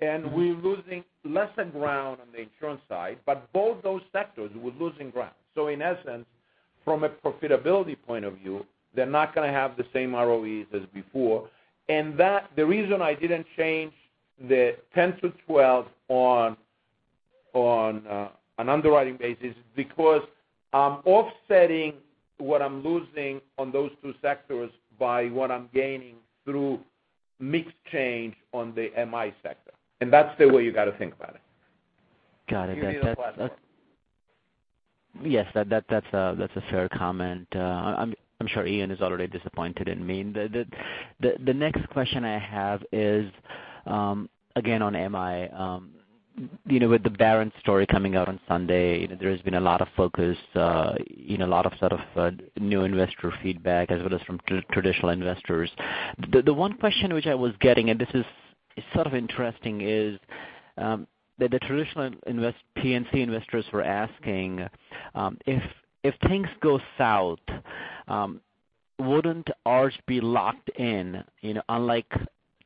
We're losing less than ground on the insurance side, but both those sectors, we're losing ground. In essence, from a profitability point of view, they're not going to have the same ROEs as before. The reason I didn't change the 10 to 12 on underwriting basis is because I'm offsetting what I'm losing on those two sectors by what I'm gaining through mix change on the MI sector. That's the way you got to think about it. Got it. Give me the platform. Yes. That's a fair comment. I'm sure Ian is already disappointed in me. The next question I have is, again, on MI. With the Barron's story coming out on Sunday, there has been a lot of focus, a lot of sort of new investor feedback as well as from traditional investors. The one question which I was getting, and this is sort of interesting, is that the traditional P&C investors were asking, if things go south, wouldn't Arch be locked in? Unlike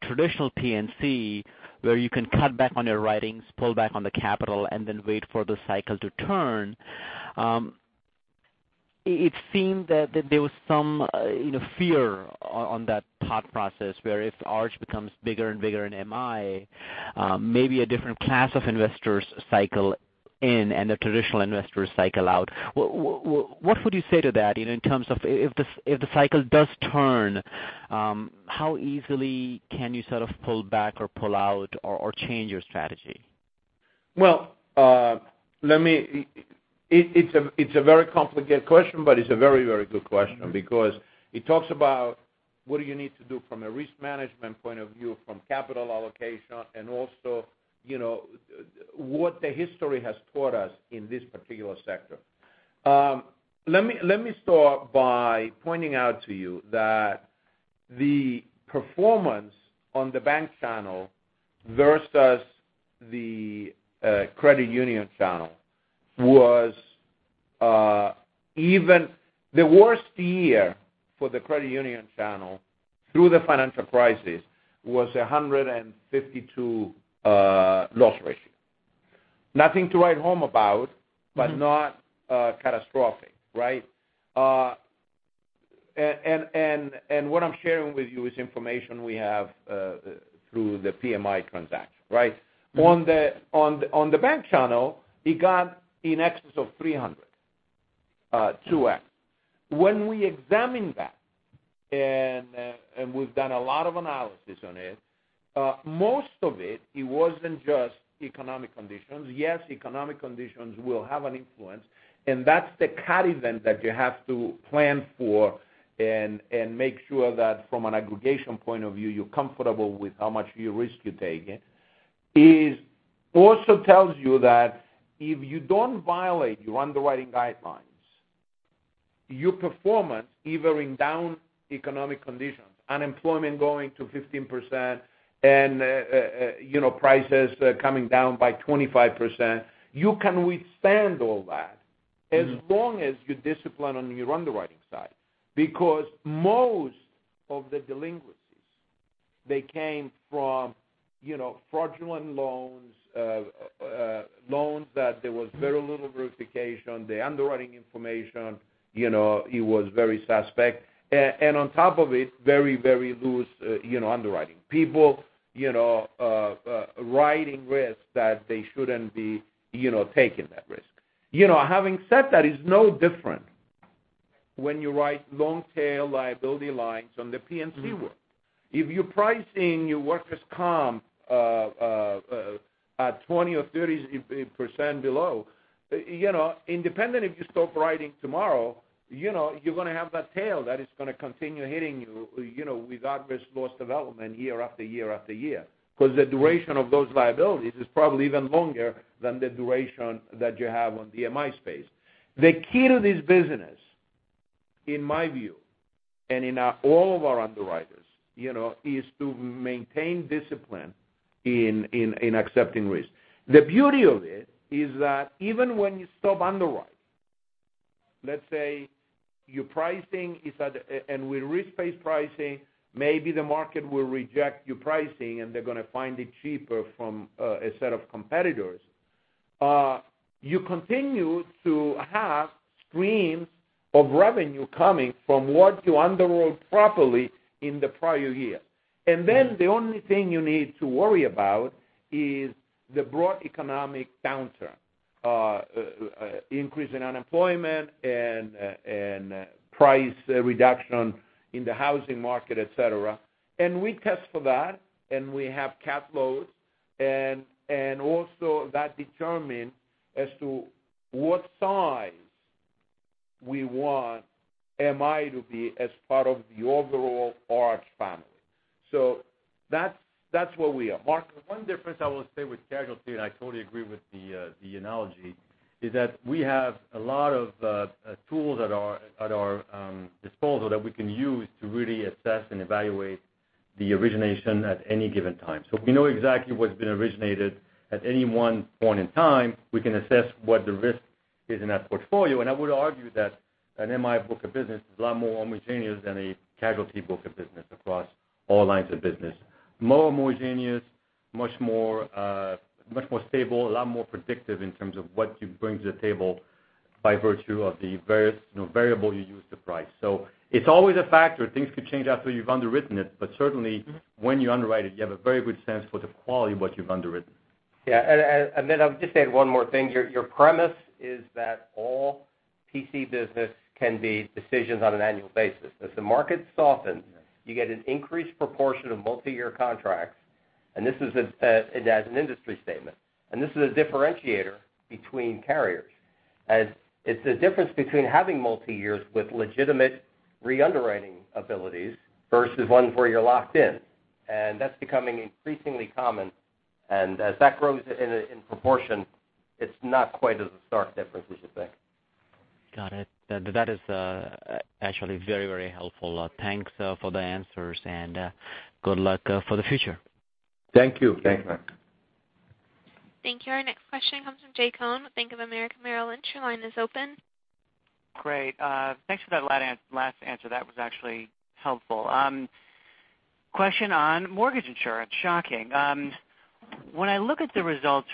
traditional P&C, where you can cut back on your writings, pull back on the capital, then wait for the cycle to turn. It seemed that there was some fear on that thought process, where if Arch becomes bigger and bigger in MI, maybe a different class of investors cycle in and the traditional investors cycle out. What would you say to that, in terms of if the cycle does turn, how easily can you sort of pull back or pull out or change your strategy? Well, it's a very complicated question, but it's a very, very good question. It talks about what do you need to do from a risk management point of view, from capital allocation, and also, what the history has taught us in this particular sector. Let me start by pointing out to you that the performance on the bank channel versus the credit union channel was even. The worst year for the credit union channel through the financial crisis was 152 loss ratio. Nothing to write home about. Not catastrophic, right? What I'm sharing with you is information we have through the PMI transaction, right? On the bank channel, it got in excess of 300, 2x. When we examined that, and we've done a lot of analysis on it, most of it wasn't just economic conditions. Yes, economic conditions will have an influence, and that's the cat event that you have to plan for and make sure that from an aggregation point of view, you're comfortable with how much risk you're taking. It also tells you that if you don't violate your underwriting guidelines, your performance, even in down economic conditions, unemployment going to 15% and prices coming down by 25%, you can withstand all that as long as you discipline on your underwriting side. Most of the delinquencies, they came from fraudulent loans that there was very little verification, the underwriting information, it was very suspect. On top of it, very, very loose underwriting. People writing risks that they shouldn't be taking that risk. Having said that, it's no different when you write long-tail liability lines on the P&C world. If you're pricing your workers' comp at 20% or 30% below, independent if you stop writing tomorrow, you're going to have that tail that is going to continue hitting you with adverse loss development year after year after year. The duration of those liabilities is probably even longer than the duration that you have on the MI space. The key to this business, in my view, and in all of our underwriters, is to maintain discipline in accepting risk. The beauty of it is that even when you stop underwriting, let's say your pricing is at, with risk-based pricing, maybe the market will reject your pricing and they're going to find it cheaper from a set of competitors. You continue to have streams of revenue coming from what you underwrote properly in the prior year. The only thing you need to worry about is the broad economic downturn. Increase in unemployment and price reduction in the housing market, et cetera. We test for that, and we have cap loads, and also that determine as to what size we want MI to be as part of the overall Arch family. That's where we are. Mark, one difference I will say with casualty, I totally agree with the analogy, is that we have a lot of tools at our disposal that we can use to really assess and evaluate the origination at any given time. If we know exactly what's been originated at any one point in time, we can assess what the risk is in that portfolio. I would argue that an MI book of business is a lot more homogeneous than a casualty book of business across all lines of business. More homogeneous, much more stable, a lot more predictive in terms of what you bring to the table by virtue of the various variable you use to price. It's always a factor. Things could change after you've underwritten it, but certainly- when you underwrite it, you have a very good sense for the quality of what you've underwritten. Yeah. Amit, I'll just add one more thing. Your premise is that all P&C business can be decisions on an annual basis. If the market softens- Yes you get an increased proportion of multi-year contracts, and this is as an industry statement, and this is a differentiator between carriers. It's the difference between having multi-years with legitimate re-underwriting abilities versus one where you're locked in, and that's becoming increasingly common. As that grows in proportion, it's not quite as a stark difference as you think. Got it. That is actually very helpful. Thanks for the answers, and good luck for the future. Thank you. Thanks, Mark. Thank you. Our next question comes from Jay Cohen of Bank of America Merrill Lynch. Your line is open. Great. Thanks for that last answer. That was actually helpful. Question on mortgage insurance. Shocking. When I look at the results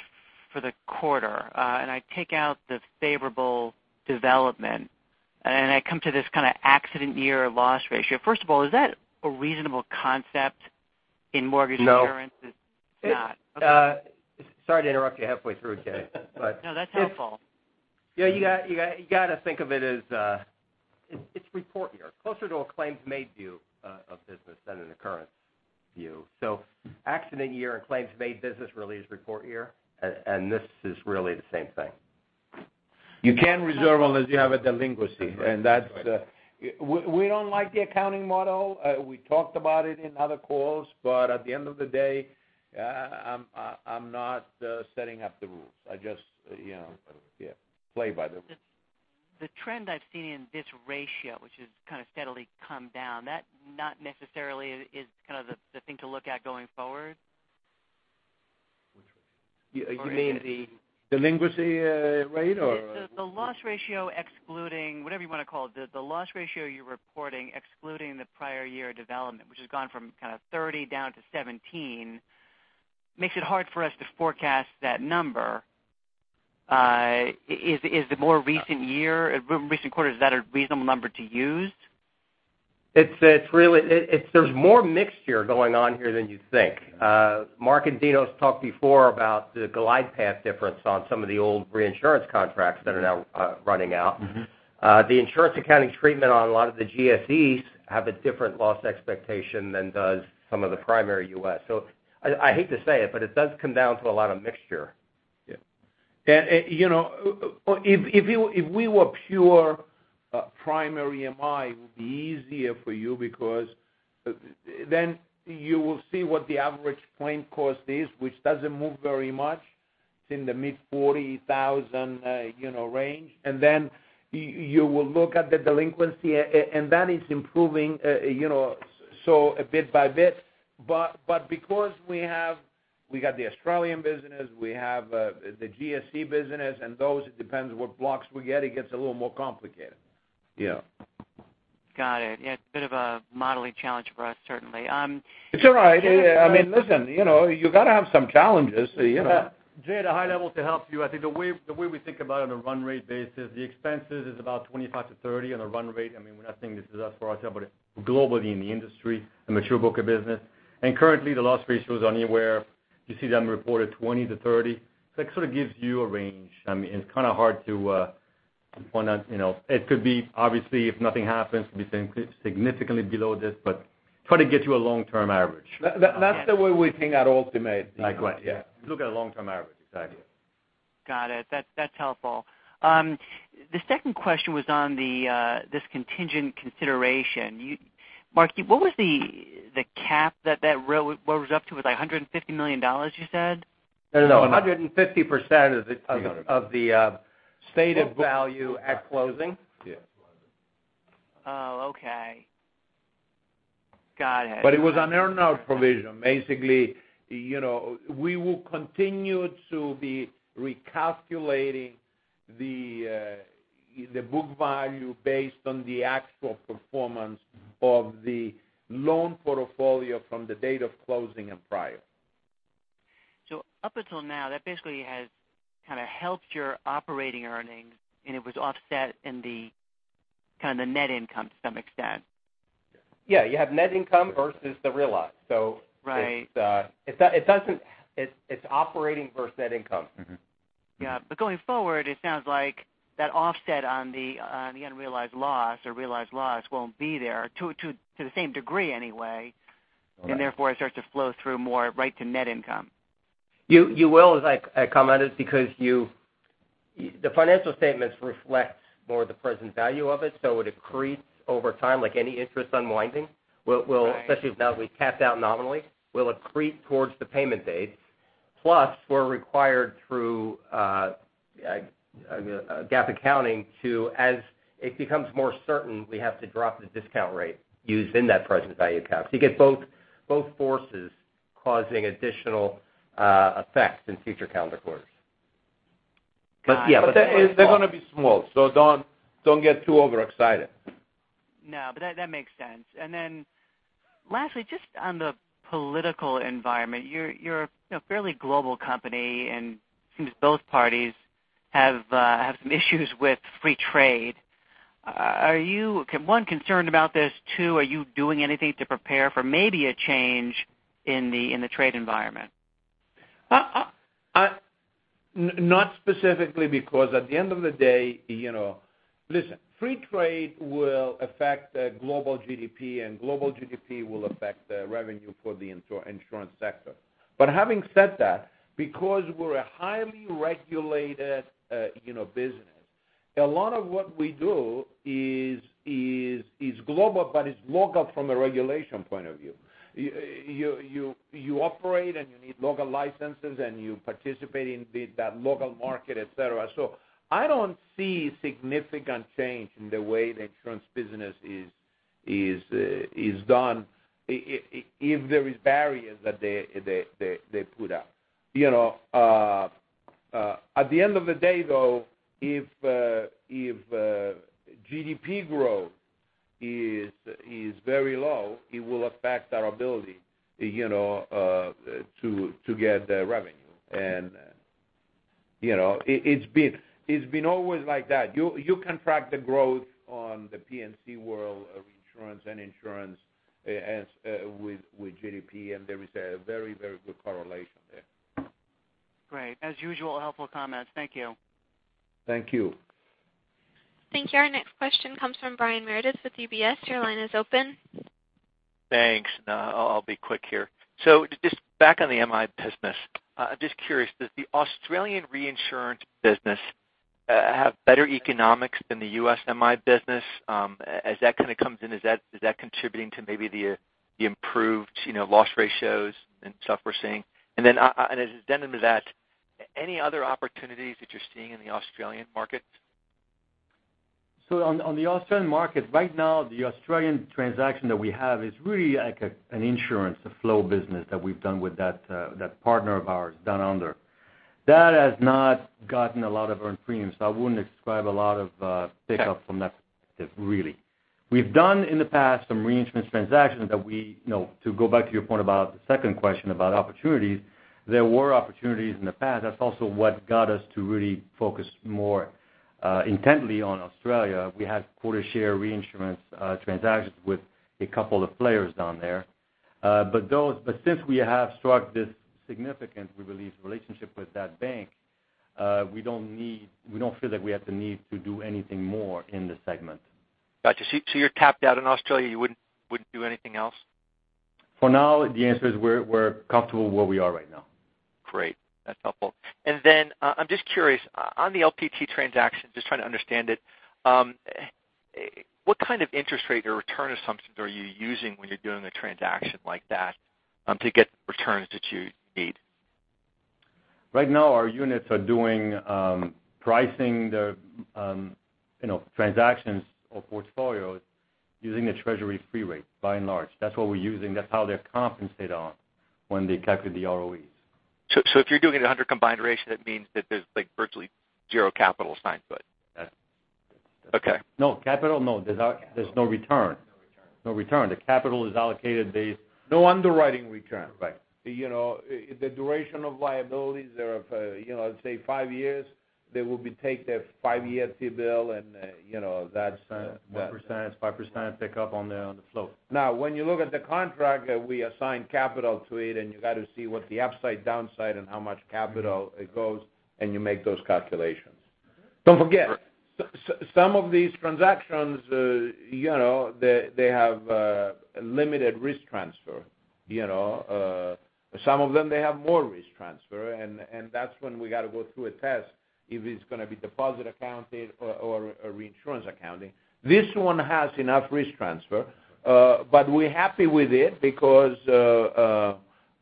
for the quarter, I take out the favorable development, and I come to this kind of accident year loss ratio. First of all, is that a reasonable concept in mortgage insurance? No. It's not. Okay. Sorry to interrupt you halfway through, Jay. No, that's helpful. You got to think of it as, it's report year. Closer to a claims made view of business than an occurrence view. Accident year and claims made business really is report year, and this is really the same thing. You can reserve unless you have a delinquency. That's right. We don't like the accounting model. We talked about it in other calls, at the end of the day, I'm not setting up the rules. I just play by the rules. The trend I've seen in this ratio, which has kind of steadily come down, that not necessarily is kind of the thing to look at going forward? Which ratio? You mean the Delinquency rate or? The loss ratio excluding, whatever you want to call it, the loss ratio you're reporting excluding the prior year development, which has gone from kind of 30 down to 17, makes it hard for us to forecast that number. Is the more recent year, recent quarters, is that a reasonable number to use? There's more mixture going on here than you think. Marc and Dinos' talked before about the glide path difference on some of the old reinsurance contracts that are now running out. The insurance accounting treatment on a lot of the GSEs have a different loss expectation than does some of the primary U.S. I hate to say it, but it does come down to a lot of mixture. Yeah. If we were pure primary MI, it would be easier for you because you will see what the average claim cost is, which doesn't move very much. It's in the mid $40,000 range. You will look at the delinquency, and that is improving, bit by bit. Because we got the Australian business, we have the GSE business, and those, it depends what blocks we get, it gets a little more complicated. Yeah. Got it. Yeah. It's a bit of a modeling challenge for us, certainly. It's all right. I mean, listen, you've got to have some challenges, you know. Jay, at a high level to help you, I think the way we think about it on a run rate basis, the expenses is about 25%-30% on a run rate. I mean, we're not saying this is us for Arch, but globally in the industry, a mature book of business. Currently, the loss ratio is anywhere, you see them reported 20%-30%. That sort of gives you a range. I mean, it's kind of hard to point out. It could be, obviously, if nothing happens, could be significantly below this, but try to get you a long-term average. That's the way we think at ultimate. Right. Yeah. Look at a long-term average. Exactly, yeah. Got it. That's helpful. The second question was on this contingent consideration. Mark, what was the cap that was up to? Was it $150 million you said? No. 150% of the stated value at closing. Yeah. Oh, okay. Got it. It was an earn-out provision. Basically, we will continue to be recalculating the book value based on the actual performance of the loan portfolio from the date of closing and prior. Up until now, that basically has kind of helped your operating earnings, and it was offset in the net income to some extent. Yeah, you have net income versus the realized. Right. It's operating versus net income. Mm-hmm. Yeah, going forward, it sounds like that offset on the unrealized loss or realized loss won't be there to the same degree, anyway, therefore, it starts to flow through more right to net income. You will, as I commented, because the financial statements reflect more the present value of it accretes over time like any interest unwinding. Right. Especially now that we've capped out nominally, will accrete towards the payment date. Plus, we're required through GAAP accounting to, as it becomes more certain, we have to drop the discount rate used in that present value calc. You get both forces causing additional effects in future calendar quarters. Yeah. They're going to be small, so don't get too overexcited. That makes sense. Lastly, just on the political environment. You're a fairly global company, and it seems both parties have some issues with free trade. Are you, one, concerned about this? Two, are you doing anything to prepare for maybe a change in the trade environment? Not specifically, because at the end of the day Listen, free trade will affect the global GDP, and global GDP will affect the revenue for the insurance sector. Having said that, because we're a highly regulated business, a lot of what we do is global, but it's local from a regulation point of view. You operate, and you need local licenses, and you participate in that local market, et cetera. I don't see significant change in the way the insurance business is done if there is barriers that they put up. At the end of the day, though, if GDP growth is very low, it will affect our ability to get revenue. It's been always like that. You can track the growth on the P&C world of insurance and insurance with GDP, and there is a very good correlation there. Great. As usual, helpful comments. Thank you. Thank you. Thank you. Our next question comes from Brian Meredith with UBS. Your line is open. Thanks. I'll be quick here. Just back on the MI business. Just curious, does the Australian reinsurance business have better economics than the U.S. MI business? As that kind of comes in, is that contributing to maybe the improved loss ratios and stuff we're seeing? And as addendum to that, any other opportunities that you're seeing in the Australian market? On the Australian market, right now, the Australian transaction that we have is really like an insurance, a flow business that we've done with that partner of ours, Down Under. That has not gotten a lot of earned premiums. I wouldn't describe a lot of pickup from that perspective, really. We've done, in the past, some reinsurance transactions. To go back to your point about the second question about opportunities, there were opportunities in the past. That's also what got us to really focus more intently on Australia. We had quota share reinsurance transactions with a couple of players down there. Since we have struck this significant, we believe, relationship with that bank, we don't feel that we have the need to do anything more in this segment. Got you. You're capped out in Australia, you wouldn't do anything else? For now, the answer is we're comfortable where we are right now. Great. That's helpful. Then I'm just curious, on the LPT transaction, just trying to understand it. What kind of interest rate or return assumptions are you using when you're doing a transaction like that to get the returns that you need? Right now, our units are doing pricing their transactions or portfolios using the Treasury free rate, by and large. That's what we're using. That's how they're compensated on when they calculate the ROEs. If you're doing it at 100 combined ratio, that means that there's virtually zero capital assigned to it. That's- Okay. No. Capital, no. There's no return. The capital is allocated based. No underwriting return. Right. The duration of liabilities are, let's say five years, they will take their five-year T-bill, and that's. 1%, 5% pickup on the float. When you look at the contract, we assign capital to it, and you got to see what the upside, downside, and how much capital it goes, and you make those calculations. Don't forget, some of these transactions they have limited risk transfer. Some of them, they have more risk transfer, and that's when we got to go through a test if it's going to be deposit accounting or reinsurance accounting. This one has enough risk transfer, but we're happy with it because of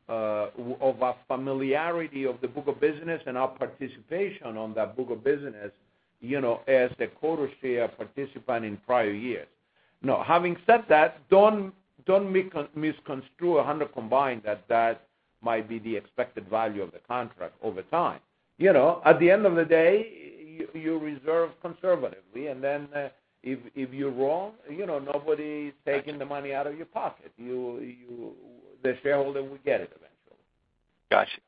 our familiarity of the book of business and our participation on that book of business as the quota share participant in prior years. Having said that, don't misconstrue 100 combined that that might be the expected value of the contract over time. At the end of the day, you reserve conservatively, if you're wrong, nobody's taking the money out of your pocket. The shareholder will get it eventually.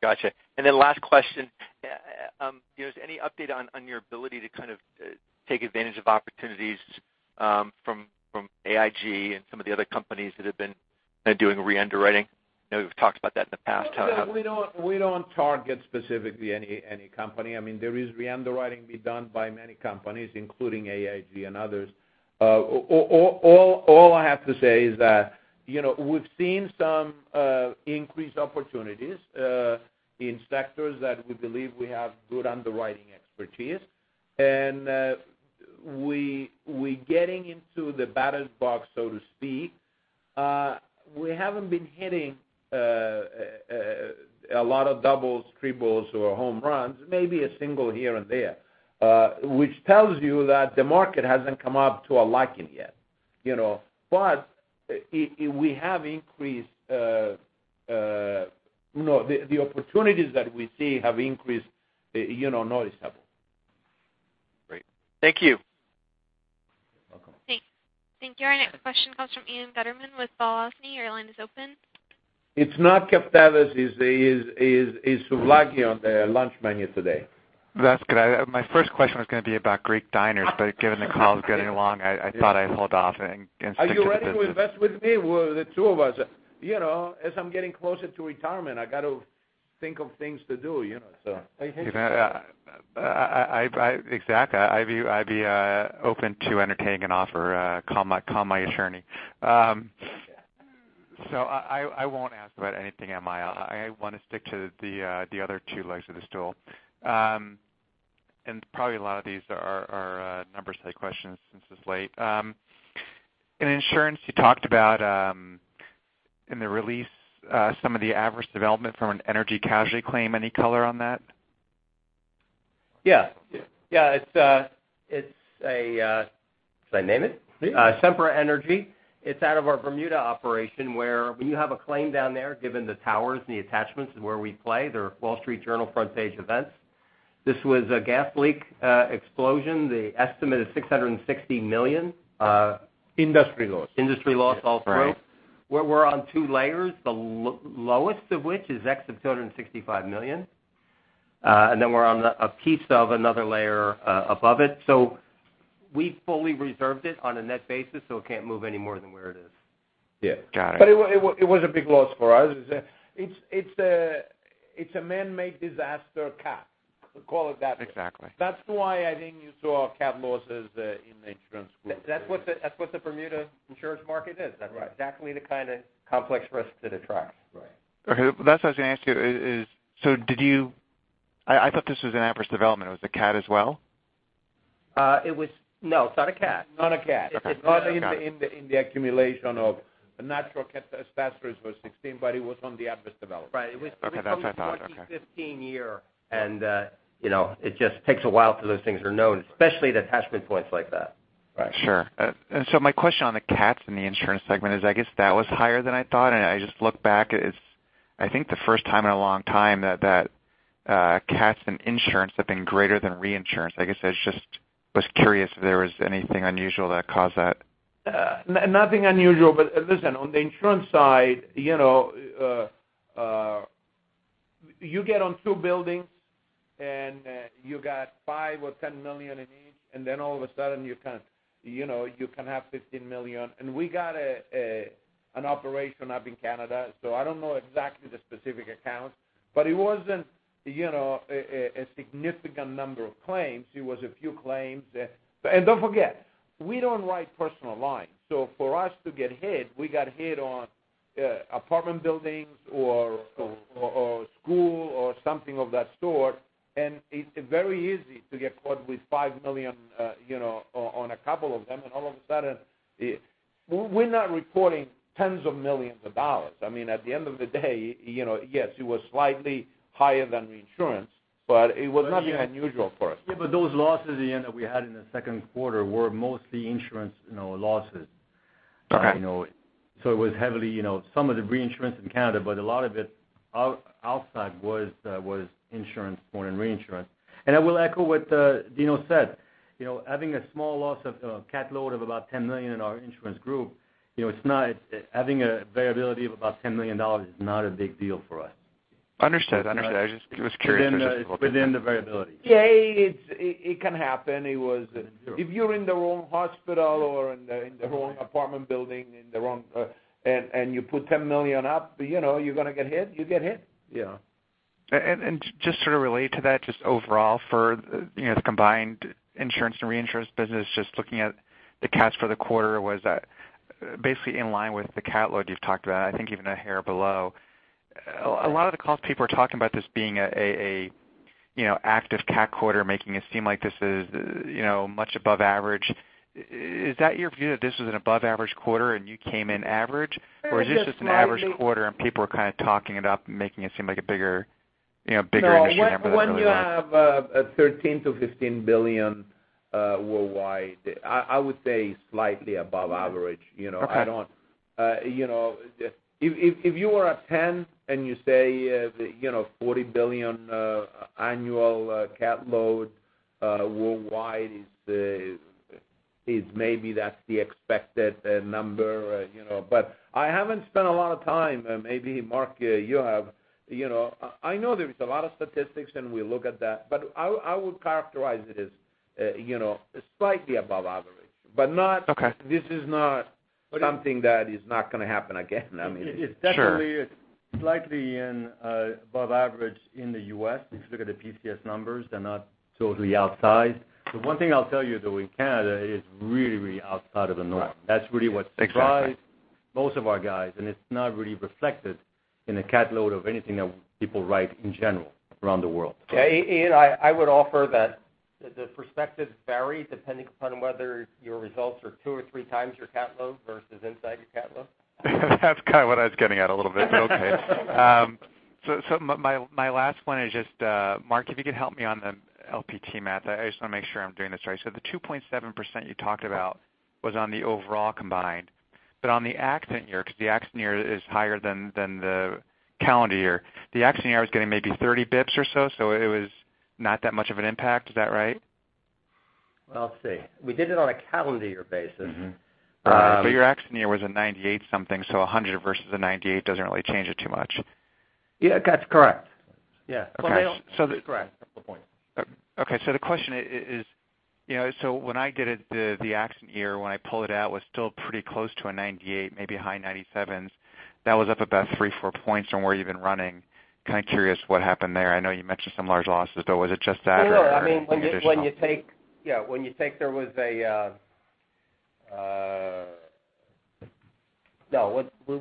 Got you. Last question. Do you have any update on your ability to take advantage of opportunities from AIG and some of the other companies that have been doing re-underwriting? I know we've talked about that in the past. We don't target specifically any company. There is re-underwriting be done by many companies, including AIG and others. All I have to say is that, we've seen some increased opportunities in sectors that we believe we have good underwriting expertise, and we getting into the batter's box, so to speak. We haven't been hitting a lot of doubles, triples, or home runs, maybe a single here and there. Which tells you that the market hasn't come up to our liking yet. The opportunities that we see have increased noticeable. Great. Thank you. You're welcome. Thanks. Thank you. Our next question comes from Ian Gutterman with Balyasny Asset Management. Your line is open. It's not keftedes. It's souvlaki on the lunch menu today. That's good. My first question was going to be about Greek diners, but given the call is going long, I thought I'd hold off and stick to business. Are you ready to invest with me? Well, the two of us. As I'm getting closer to retirement, I got to think of things to do. Exactly. I'd be open to entertaining an offer. Call my attorney. I won't ask about anything MI. I want to stick to the other two legs of the stool. Probably a lot of these are numbers questions since it's late. In insurance, you talked about, in the release, some of the adverse development from an energy casualty claim. Any color on that? Yeah. Should I name it? Yeah. Sempra Energy. It's out of our Bermuda operation, where when you have a claim down there, given the towers and the attachments and where we play, they're Wall Street Journal front page events. This was a gas leak explosion. The estimate is $660 million. Industry loss. Industry loss all total. Right. We're on two layers, the lowest of which is excess of $265 million. Then we're on a piece of another layer above it. We fully reserved it on a net basis, so it can't move any more than where it is. Got it. It was a big loss for us. It's a manmade disaster cat, call it that. Exactly. That's why I think you saw cat losses in the insurance group. That's what the Bermuda insurance market is. Right. That's exactly the kind of complex risk it attracts. Right. Okay. That's what I was going to ask you is, I thought this was an adverse development. Was it cat as well? No, it's not a cat. Not a cat. Okay. Got it. Not in the accumulation of natural cat disasters was 16, but it was on the adverse development. Right. It was from the 2015 year. Okay, that's what I thought. Okay. It just takes a while till those things are known, especially the attachment points like that. Sure. My question on the CATs in the insurance segment is, I guess that was higher than I thought, I just looked back. It is, I think, the first time in a long time that CAT and insurance have been greater than reinsurance. I guess I just was curious if there was anything unusual that caused that. Nothing unusual. Listen, on the insurance side, you get on two buildings and you got $5 million or $10 million in each, then all of a sudden you can have $15 million. We got an operation up in Canada, so I do not know exactly the specific accounts, but it was not a significant number of claims. It was a few claims. Do not forget, we do not write personal lines. For us to get hit, we got hit on apartment buildings or school or something of that sort, and it is very easy to get caught with $5 million on a couple of them, and all of a sudden. We are not reporting tens of millions of dollars. At the end of the day, yes, it was slightly higher than reinsurance, but it was nothing unusual for us. Those losses, Ian, that we had in the second quarter were mostly insurance losses. Okay. It was heavily some of the reinsurance in Canada, but a lot of it outside was insurance more than reinsurance. I will echo what Dinos said. Having a small loss of cat load of about $10 million in our insurance group, having a variability of about $10 million is not a big deal for us. Understood. I just was curious. It's within the variability. It can happen. If you're in the wrong hospital or in the wrong apartment building, and you put $10 million up, you're going to get hit. Yeah. Just sort of related to that, just overall for the combined insurance and reinsurance business, just looking at the cats for the quarter, was that basically in line with the cat load you've talked about, I think even a hair below. A lot of the calls people are talking about this being an active cat quarter, making it seem like this is much above average. Is that your view, that this is an above average quarter and you came in average? Is this just an average quarter and people are kind of talking it up and making it seem like a bigger initial number than what you are? No. When you have a $13 billion-$15 billion worldwide, I would say slightly above average. Okay. If you were at 10 and you say $40 billion annual cat load Worldwide is maybe that's the expected number. I haven't spent a lot of time, maybe Mark, you have. I know there's a lot of statistics, and we look at that, but I would characterize it as slightly above average, but this is not something that is not going to happen again. Sure. It's definitely slightly above average in the U.S. If you look at the PCS numbers, they're not totally outside. One thing I'll tell you, though, in Canada, it's really outside of the norm. Right. That's really what surprised most of our guys. It's not really reflected in the cat load of anything that people write in general around the world. Yeah. Ian, I would offer that the perspective varies depending upon whether your results are two or three times your cat load versus inside your cat load. That's kind of what I was getting at a little bit. Okay. My last one is just, Mark, if you could help me on the LPT math. I just want to make sure I'm doing this right. The 2.7% you talked about was on the overall combined, but on the accident year, because the accident year is higher than the calendar year. The accident year was getting maybe 30 basis points or so it was not that much of an impact. Is that right? Well, let's see. We did it on a calendar year basis. Mm-hmm. Your accident year was a 98-something, 100 versus a 98 doesn't really change it too much. Yeah, that's correct. Okay. That's correct. Okay. The question is, when I did it, the accident year, when I pull it out, was still pretty close to a 98, maybe high 97s. That was up about 3, 4 points from where you've been running. Kind of curious what happened there. I know you mentioned some large losses, but was it just that or any additional? Sure.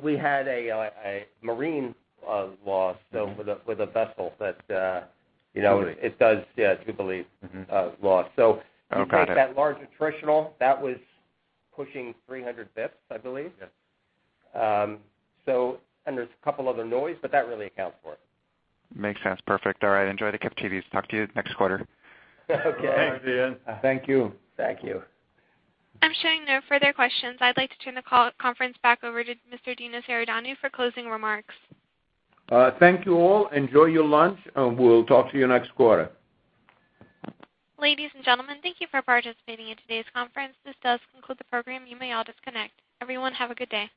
We had a marine loss, so with a vessel. Really? Yeah, a Gulf Re loss. Okay. If you take that large attritional, that was pushing 300 basis points, I believe. Yes. There's a couple other noise, that really accounts for it. Makes sense. Perfect. All right, enjoy the captives. Talk to you next quarter. Okay. Thanks, Ian. Thank you. Thank you. I'm showing no further questions. I'd like to turn the conference back over to Mr. Dinos Iordanou for closing remarks. Thank you all. Enjoy your lunch, and we'll talk to you next quarter. Ladies and gentlemen, thank you for participating in today's conference. This does conclude the program. You may all disconnect. Everyone, have a good day.